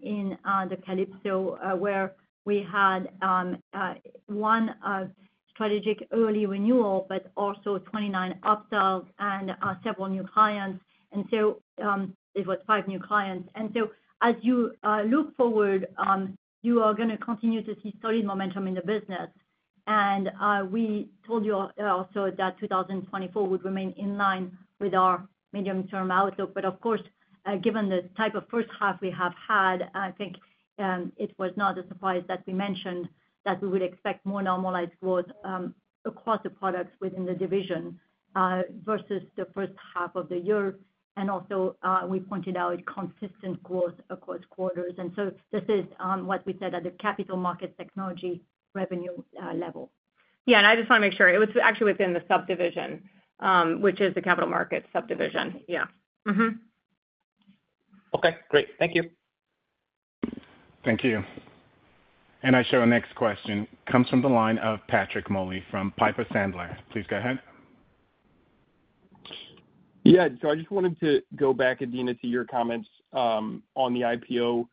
in the Calypso where we had one strategic early renewal, but also 29 upsells and several new clients. And so it was five new clients. And so as you look forward, you are going to continue to see solid momentum in the business. And we told you also that 2024 would remain in line with our medium-term outlook. But of course, given the type of first half we have had, I think it was not a surprise that we mentioned that we would expect more normalized growth across the products within the division versus the first half of the year. And also, we pointed out consistent growth across quarters. And so this is what we said at the capital markets technology revenue level. Yeah. And I just want to make sure it was actually within the subdivision, which is the Capital Markets subdivision. Yeah. Okay. Great. Thank you. Thank you. And our next question comes from the line of Patrick Moley from Piper Sandler. Please go ahead. Yeah. So I just wanted to go back, Adena, to your comments on the IPO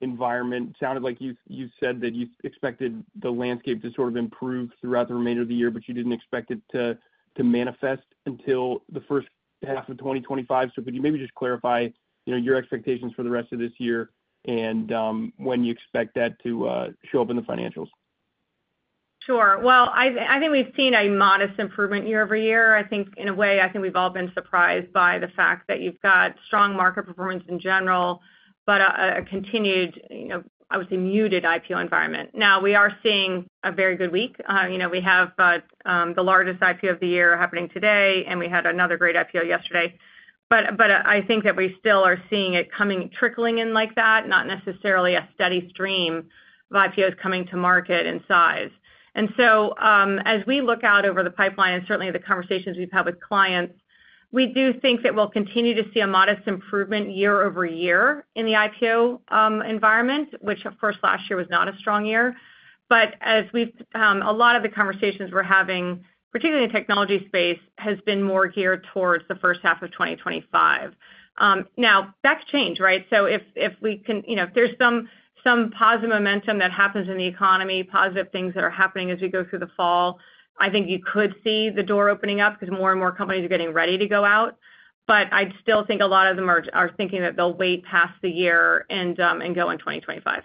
environment. It sounded like you said that you expected the landscape to sort of improve throughout the remainder of the year, but you didn't expect it to manifest until the first half of 2025. So could you maybe just clarify your expectations for the rest of this year and when you expect that to show up in the financials? Sure. Well, I think we've seen a modest improvement year-over-year. I think in a way, I think we've all been surprised by the fact that you've got strong market performance in general, but a continued, I would say, muted IPO environment. Now, we are seeing a very good week. We have the largest IPO of the year happening today, and we had another great IPO yesterday. But I think that we still are seeing it trickling in like that, not necessarily a steady stream of IPOs coming to market in size. And so as we look out over the pipeline and certainly the conversations we've had with clients, we do think that we'll continue to see a modest improvement year-over-year in the IPO environment, which, of course, last year was not a strong year. But a lot of the conversations we're having, particularly in the technology space, has been more geared towards the first half of 2025. Now, that could change, right? So if we can—if there's some positive momentum that happens in the economy, positive things that are happening as we go through the fall, I think you could see the door opening up because more and more companies are getting ready to go out. But I still think a lot of them are thinking that they'll wait past the year and go in 2025.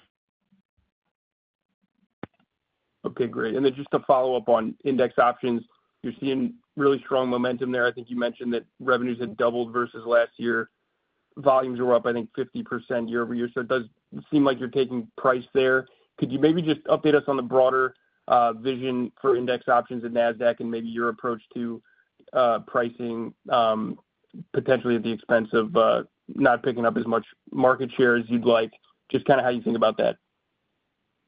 Okay. Great. And then just to follow up on index options, you're seeing really strong momentum there. I think you mentioned that revenues had doubled versus last year. Volumes were up, I think, 50% year-over-year. So it does seem like you're taking price there. Could you maybe just update us on the broader vision for index options and Nasdaq and maybe your approach to pricing, potentially at the expense of not picking up as much market share as you'd like? Just kind of how you think about that.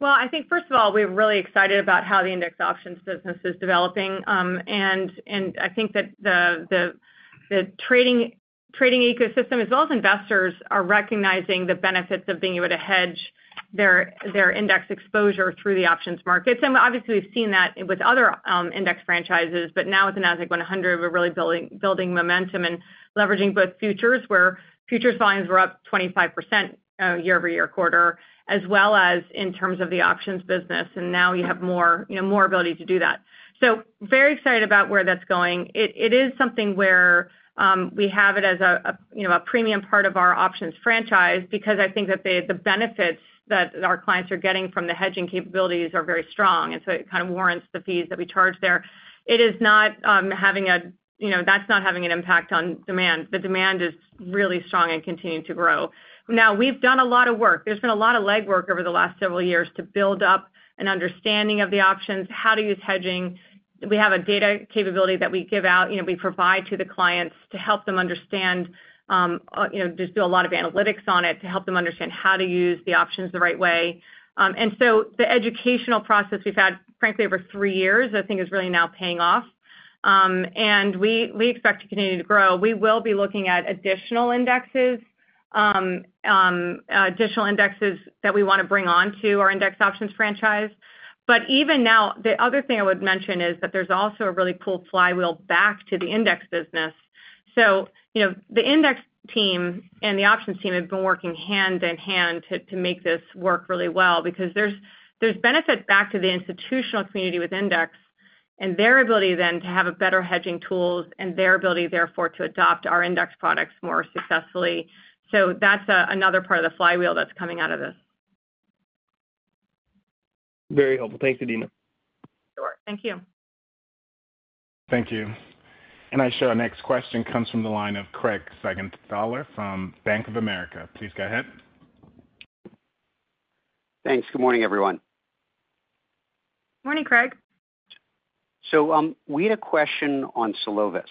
Well, I think, first of all, we're really excited about how the index options business is developing. And I think that the trading ecosystem, as well as investors, are recognizing the benefits of being able to hedge their index exposure through the options markets. And obviously, we've seen that with other index franchises, but now with the Nasdaq-100, we're really building momentum and leveraging both futures where futures volumes were up 25% year-over-year quarter, as well as in terms of the Options business. And now you have more ability to do that. So very excited about where that's going. It is something where we have it as a premium part of our Options franchise because I think that the benefits that our clients are getting from the hedging capabilities are very strong. And so it kind of warrants the fees that we charge there. It is not having a—that's not having an impact on demand. The demand is really strong and continuing to grow. Now, we've done a lot of work. There's been a lot of legwork over the last several years to build up an understanding of the options, how to use hedging. We have a data capability that we give out. We provide to the clients to help them understand, just do a lot of analytics on it to help them understand how to use the options the right way. And so the educational process we've had, frankly, over three years, I think is really now paying off. And we expect to continue to grow. We will be looking at additional indexes that we want to bring on to our index options franchise. But even now, the other thing I would mention is that there's also a really cool flywheel back to the Index business. So the Index team and the Options team have been working hand in hand to make this work really well because there's benefit back to the institutional community with Index and their ability then to have better hedging tools and their ability, therefore, to adopt our index products more successfully. So that's another part of the flywheel that's coming out of this. Very helpful. Thanks, Adena. Sure. Thank you. Thank you. Our next question comes from the line of Craig Siegenthaler from Bank of America. Please go ahead. Thanks. Good morning, everyone. Morning, Craig. So we had a question on Solovis.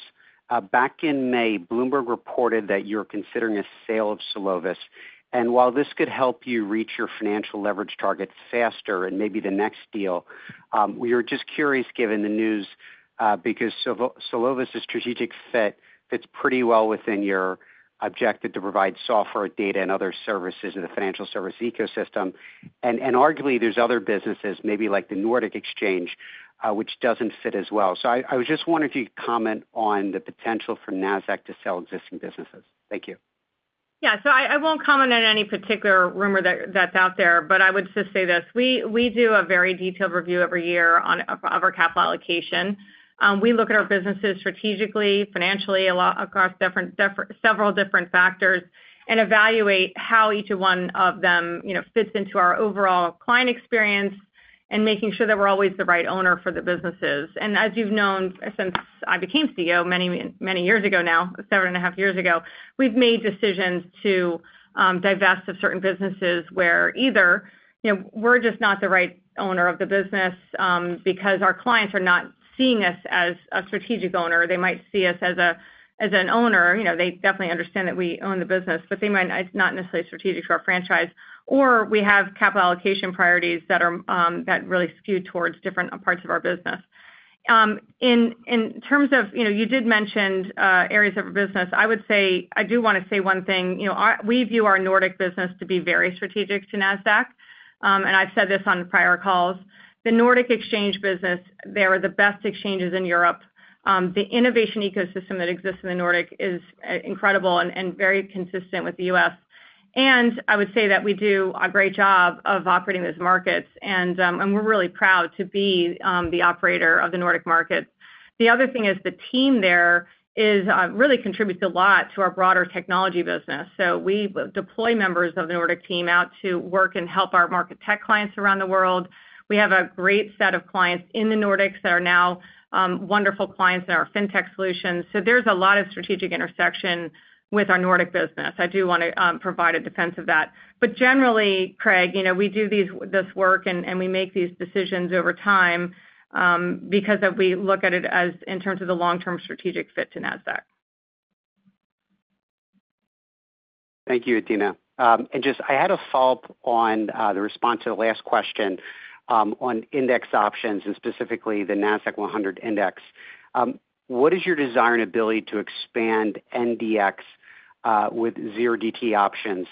Back in May, Bloomberg reported that you're considering a sale of Solovis. And while this could help you reach your financial leverage target faster and maybe the next deal, we were just curious given the news because Solovis's strategic fit fits pretty well within your objective to provide software, data, and other services in the financial service ecosystem. And arguably, there's other businesses, maybe like the Nordic Exchange, which doesn't fit as well. So I was just wondering if you could comment on the potential for Nasdaq to sell existing businesses. Thank you. Yeah. So I won't comment on any particular rumor that's out there, but I would just say this. We do a very detailed review every year of our capital allocation. We look at our businesses strategically, financially, across several different factors, and evaluate how each one of them fits into our overall client experience and making sure that we're always the right owner for the businesses. And as you've known since I became CEO many years ago now, 7.5 years ago, we've made decisions to divest of certain businesses where either we're just not the right owner of the business because our clients are not seeing us as a strategic owner. They might see us as an owner. They definitely understand that we own the business, but they might not necessarily strategic to our franchise. Or we have capital allocation priorities that really skew towards different parts of our business. In terms of you did mention areas of our business, I would say I do want to say one thing. We view our Nordic business to be very strategic to Nasdaq. And I've said this on prior calls. The Nordic Exchange business, they are the best exchanges in Europe. The innovation ecosystem that exists in the Nordic is incredible and very consistent with the U.S. And I would say that we do a great job of operating these markets, and we're really proud to be the operator of the Nordic markets. The other thing is the team there really contributes a lot to our broader Technology business. So we deploy members of the Nordic team out to work and help our Market Tech clients around the world. We have a great set of clients in the Nordics that are now wonderful clients in our Fintech solutions. So there's a lot of strategic intersection with our Nordic business. I do want to provide a defense of that. But generally, Craig, we do this work, and we make these decisions over time because we look at it in terms of the long-term strategic fit to Nasdaq. Thank you, Adena. And just I had a follow-up on the response to the last question on index options and specifically the Nasdaq-100 index. What is your desire and ability to expand NDX with 0DTE options?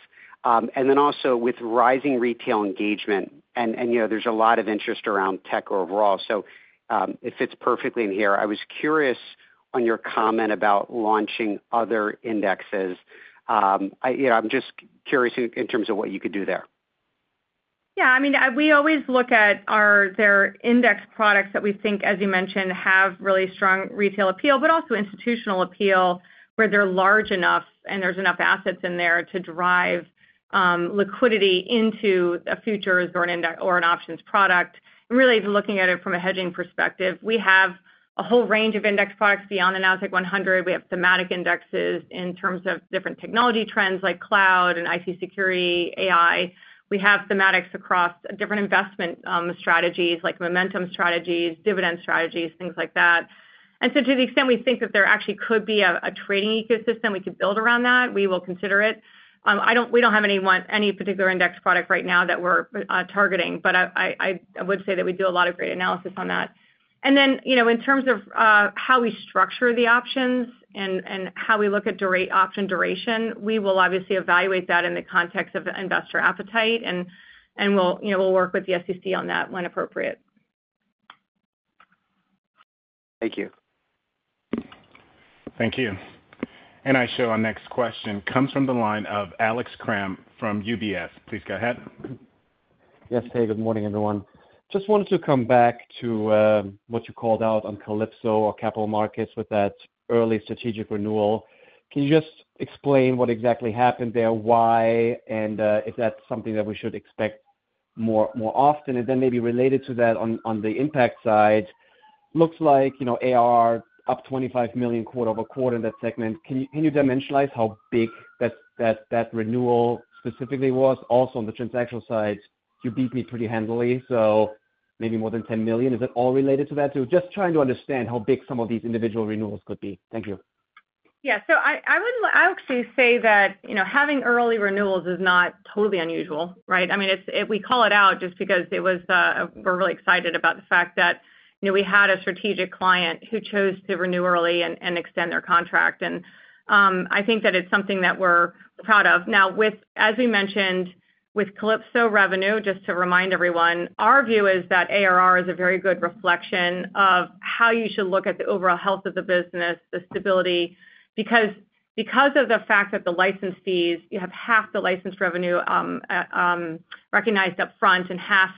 And then also with rising retail engagement, and there's a lot of interest around tech overall. So it fits perfectly in here. I was curious on your comment about launching other indexes. I'm just curious in terms of what you could do there. Yeah. I mean, we always look at their index products that we think, as you mentioned, have really strong retail appeal, but also institutional appeal where they're large enough and there's enough assets in there to drive liquidity into a futures or an options product. And really, looking at it from a hedging perspective, we have a whole range of Index products beyond the Nasdaq-100. We have thematic indexes in terms of different technology trends like cloud and IT security, AI. We have thematics across different investment strategies like momentum strategies, dividend strategies, things like that. And so to the extent we think that there actually could be a trading ecosystem we could build around that, we will consider it. We don't have any particular Index product right now that we're targeting, but I would say that we do a lot of great analysis on that. And then in terms of how we structure the options and how we look at option duration, we will obviously evaluate that in the context of investor appetite, and we'll work with the SEC on that when appropriate. Thank you. Thank you. And our next question comes from the line of Alex Kramm from UBS. Please go ahead. Yes. Hey, good morning, everyone. Just wanted to come back to what you called out on Calypso or capital markets with that early strategic renewal. Can you just explain what exactly happened there, why, and if that's something that we should expect more often? And then maybe related to that on the impact side, looks like ARR up $25 million quarter-over-quarter in that segment. Can you dimensionalize how big that renewal specifically was? Also, on the transactional side, you beat me pretty handily. So maybe more than $10 million. Is it all related to that too? Just trying to understand how big some of these individual renewals could be. Thank you. Yeah. So I would actually say that having early renewals is not totally unusual, right? I mean, we call it out just because we're really excited about the fact that we had a strategic client who chose to renew early and extend their contract. And I think that it's something that we're proud of. Now, as we mentioned, with Calypso revenue, just to remind everyone, our view is that ARR is a very good reflection of how you should look at the overall health of the business, the stability, because of the fact that the license fees, you have half the license revenue recognized upfront and half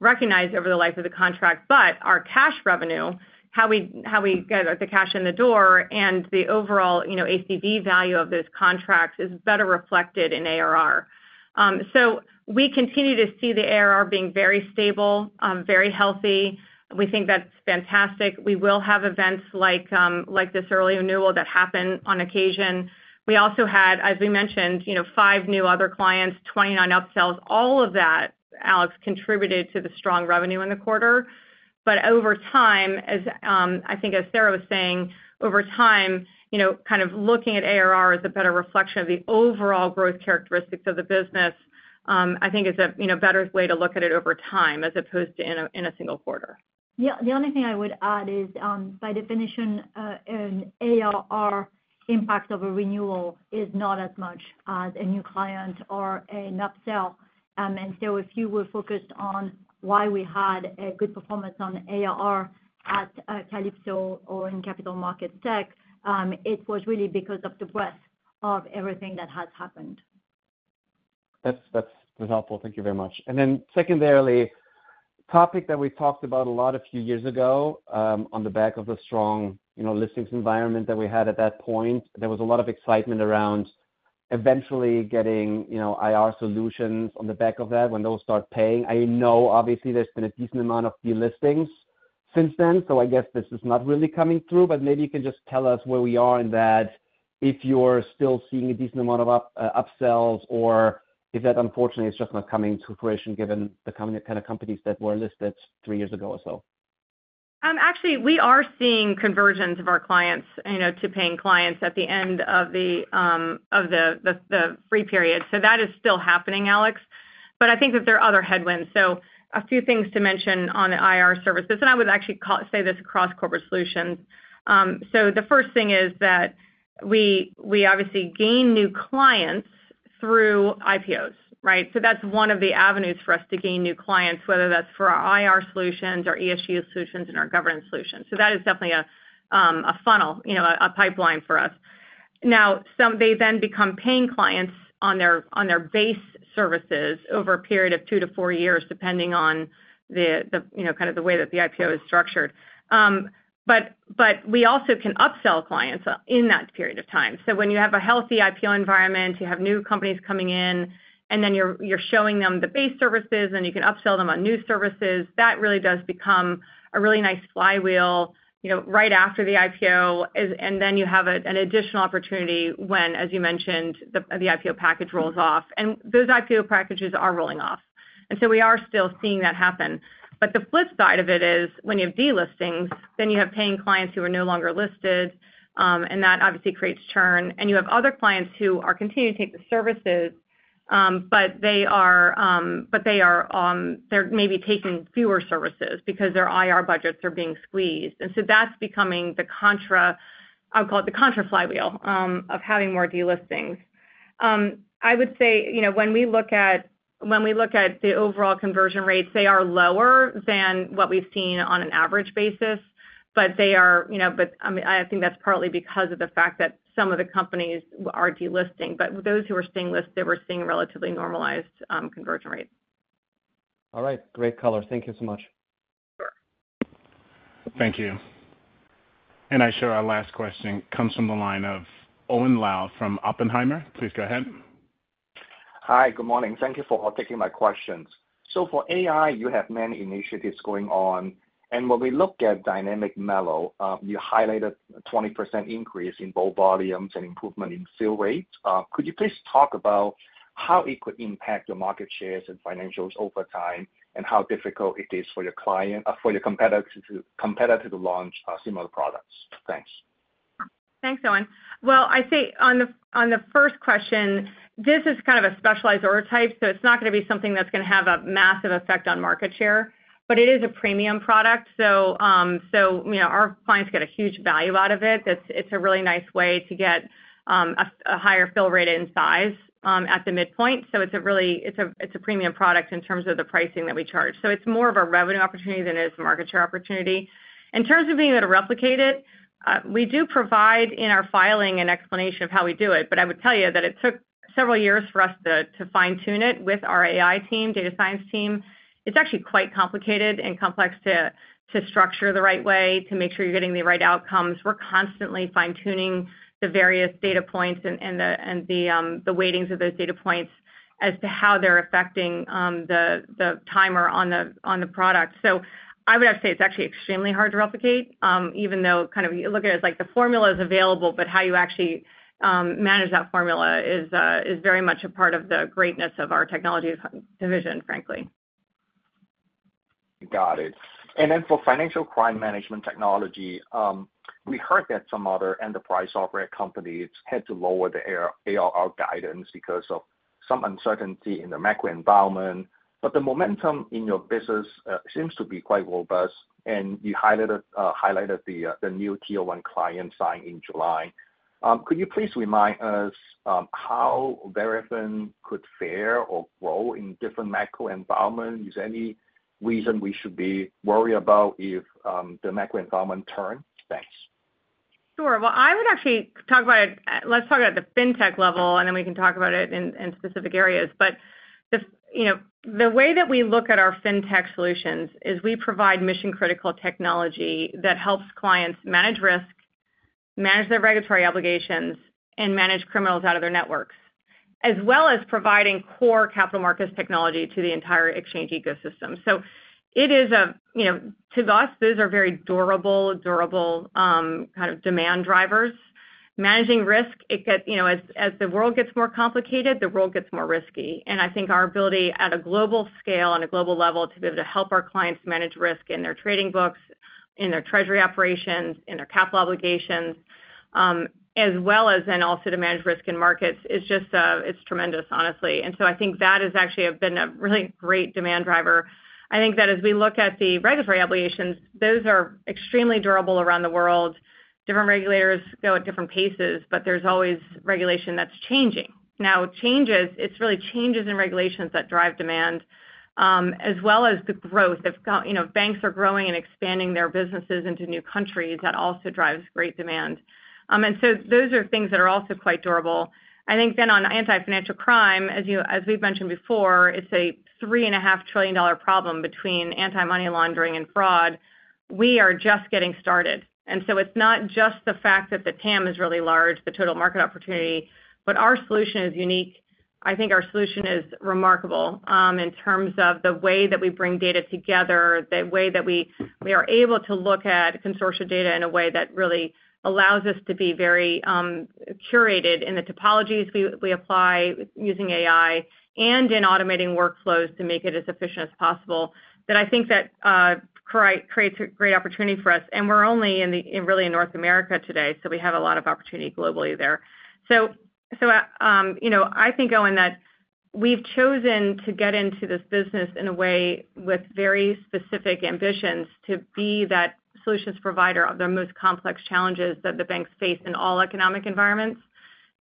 recognized over the life of the contract. But our cash revenue, how we get the cash in the door and the overall ACV value of those contracts is better reflected in ARR. So we continue to see the ARR being very stable, very healthy. We think that's fantastic. We will have events like this early renewal that happened on occasion. We also had, as we mentioned, five new other clients, 29 upsells. All of that, Alex, contributed to the strong revenue in the quarter. But over time, I think as Sarah was saying, over time, kind of looking at ARR as a better reflection of the overall growth characteristics of the business, I think is a better way to look at it over time as opposed to in a single quarter. Yeah. The only thing I would add is, by definition, an ARR impact of a renewal is not as much as a new client or an upsell. And so if you were focused on why we had a good performance on ARR at Calypso or in capital Market Tech, it was really because of the breadth of everything that has happened. That's helpful. Thank you very much. And then secondarily, topic that we talked about a lot a few years ago on the back of the strong listings environment that we had at that point, there was a lot of excitement around eventually getting IR solutions on the back of that when those start paying. I know, obviously, there's been a decent amount of delistings since then. So, I guess this is not really coming through, but maybe you can just tell us where we are in that if you're still seeing a decent amount of upsells or if that, unfortunately, is just not coming to fruition given the kind of companies that were listed three years ago or so. Actually, we are seeing conversions of our clients to paying clients at the end of the free period. So that is still happening, Alex. But I think that there are other headwinds. So a few things to mention on the IR services. And I would actually say this across Corporate Solutions. So the first thing is that we obviously gain new clients through IPOs, right? So that's one of the avenues for us to gain new clients, whether that's for our IR solutions, our ESG solutions, and our Governance solutions. So that is definitely a funnel, a pipeline for us. Now, they then become paying clients on their base services over a period of 2-4 years, depending on kind of the way that the IPO is structured. But we also can upsell clients in that period of time. So when you have a healthy IPO environment, you have new companies coming in, and then you're showing them the base services, and you can upsell them on new services, that really does become a really nice flywheel right after the IPO. And then you have an additional opportunity when, as you mentioned, the IPO package rolls off. And those IPO packages are rolling off. And so we are still seeing that happen. But the flip side of it is when you have delistings, then you have paying clients who are no longer listed, and that obviously creates churn. You have other clients who are continuing to take the services, but they are maybe taking fewer services because their IR budgets are being squeezed. And so that's becoming the contra, I'll call it the contra flywheel of having more delistings. I would say when we look at the overall conversion rates, they are lower than what we've seen on an average basis, but they are, I mean, I think that's partly because of the fact that some of the companies are delisting. But those who are staying listed, we're seeing relatively normalized conversion rates. All right. Great color. Thank you so much. Sure. Thank you. And our last question comes from the line of Owen Lau from Oppenheimer. Please go ahead. Hi. Good morning. Thank you for taking my questions. So for AI, you have many initiatives going on. When we look at Dynamic M-ELO, you highlighted a 20% increase in block volumes and improvement in fill rates. Could you please talk about how it could impact your market shares and financials over time and how difficult it is for your competitor to launch similar products? Thanks. Thanks, Owen. Well, I think on the first question, this is kind of a specialized order type, so it's not going to be something that's going to have a massive effect on market share. But it is a premium product. So our clients get a huge value out of it. It's a really nice way to get a higher fill rate in size at the midpoint. So it's a premium product in terms of the pricing that we charge. So it's more of a revenue opportunity than it is a market share opportunity. In terms of being able to replicate it, we do provide in our filing an explanation of how we do it. But I would tell you that it took several years for us to fine-tune it with our AI team, Data Science team. It's actually quite complicated and complex to structure the right way to make sure you're getting the right outcomes. We're constantly fine-tuning the various data points and the weightings of those data points as to how they're affecting the timer on the product. So I would have to say it's actually extremely hard to replicate, even though kind of you look at it as like the formula is available, but how you actually manage that formula is very much a part of the greatness of our technology division, frankly. Got it. And then for Financial Crime Management Technology, we heard that some other enterprise software companies had to lower the ARR guidance because of some uncertainty in the macro environment. But the momentum in your business seems to be quite robust, and you highlighted the new tier 1 client signed in July. Could you please remind us how Verafin could fare or grow in different macro environments? Is there any reason we should be worried about if the macro environment turns? Thanks. Sure. Well, I would actually talk about it. Let's talk about the fintech level, and then we can talk about it in specific areas. But the way that we look at our Fintech solutions is we provide mission-critical technology that helps clients manage risk, manage their regulatory obligations, and manage criminals out of their networks, as well as providing core capital markets technology to the entire exchange ecosystem. So it is to us; those are very durable, durable kind of demand drivers. Managing risk, as the world gets more complicated, the world gets more risky. And I think our ability at a global scale and a global level to be able to help our clients manage risk in their trading books, in their treasury operations, in their capital obligations, as well as then also to manage risk in markets—it's tremendous, honestly. And so I think that has actually been a really great demand driver. I think that as we look at the regulatory obligations, those are extremely durable around the world. Different regulators go at different paces, but there's always regulation that's changing. Now, changes—it's really changes in regulations that drive demand, as well as the growth. Banks are growing and expanding their businesses into new countries that also drives great demand. And so those are things that are also quite durable. I think then on anti-financial crime, as we've mentioned before, it's a $3.5 trillion problem between anti-money laundering and fraud. We are just getting started. And so it's not just the fact that the TAM is really large, the total market opportunity, but our solution is unique. I think our solution is remarkable in terms of the way that we bring data together, the way that we are able to look at consortium data in a way that really allows us to be very curated in the topologies we apply using AI and in automating workflows to make it as efficient as possible. That, I think, creates a great opportunity for us. And we're only really in North America today, so we have a lot of opportunity globally there. So I think, Owen, that we've chosen to get into this business in a way with very specific ambitions to be that solutions provider of the most complex challenges that the banks face in all economic environments.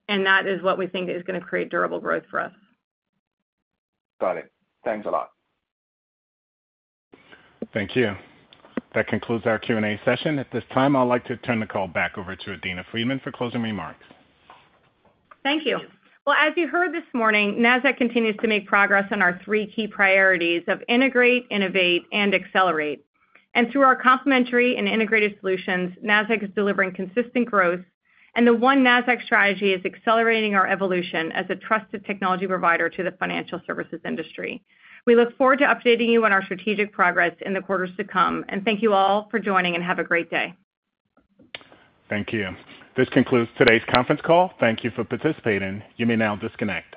And that is what we think is going to create durable growth for us. Got it. Thanks a lot. Thank you. That concludes our Q&A session. At this time, I'd like to turn the call back over to Adena Friedman for closing remarks. Thank you. Well, as you heard this morning, Nasdaq continues to make progress on our three key priorities of Integrate, Innovate, and Accelerate. And through our complementary and integrated solutions, Nasdaq is delivering consistent growth. And the one Nasdaq strategy is accelerating our evolution as a trusted technology provider to the financial services industry. We look forward to updating you on our strategic progress in the quarters to come. Thank you all for joining and have a great day. Thank you. This concludes today's conference call. Thank you for participating. You may now disconnect.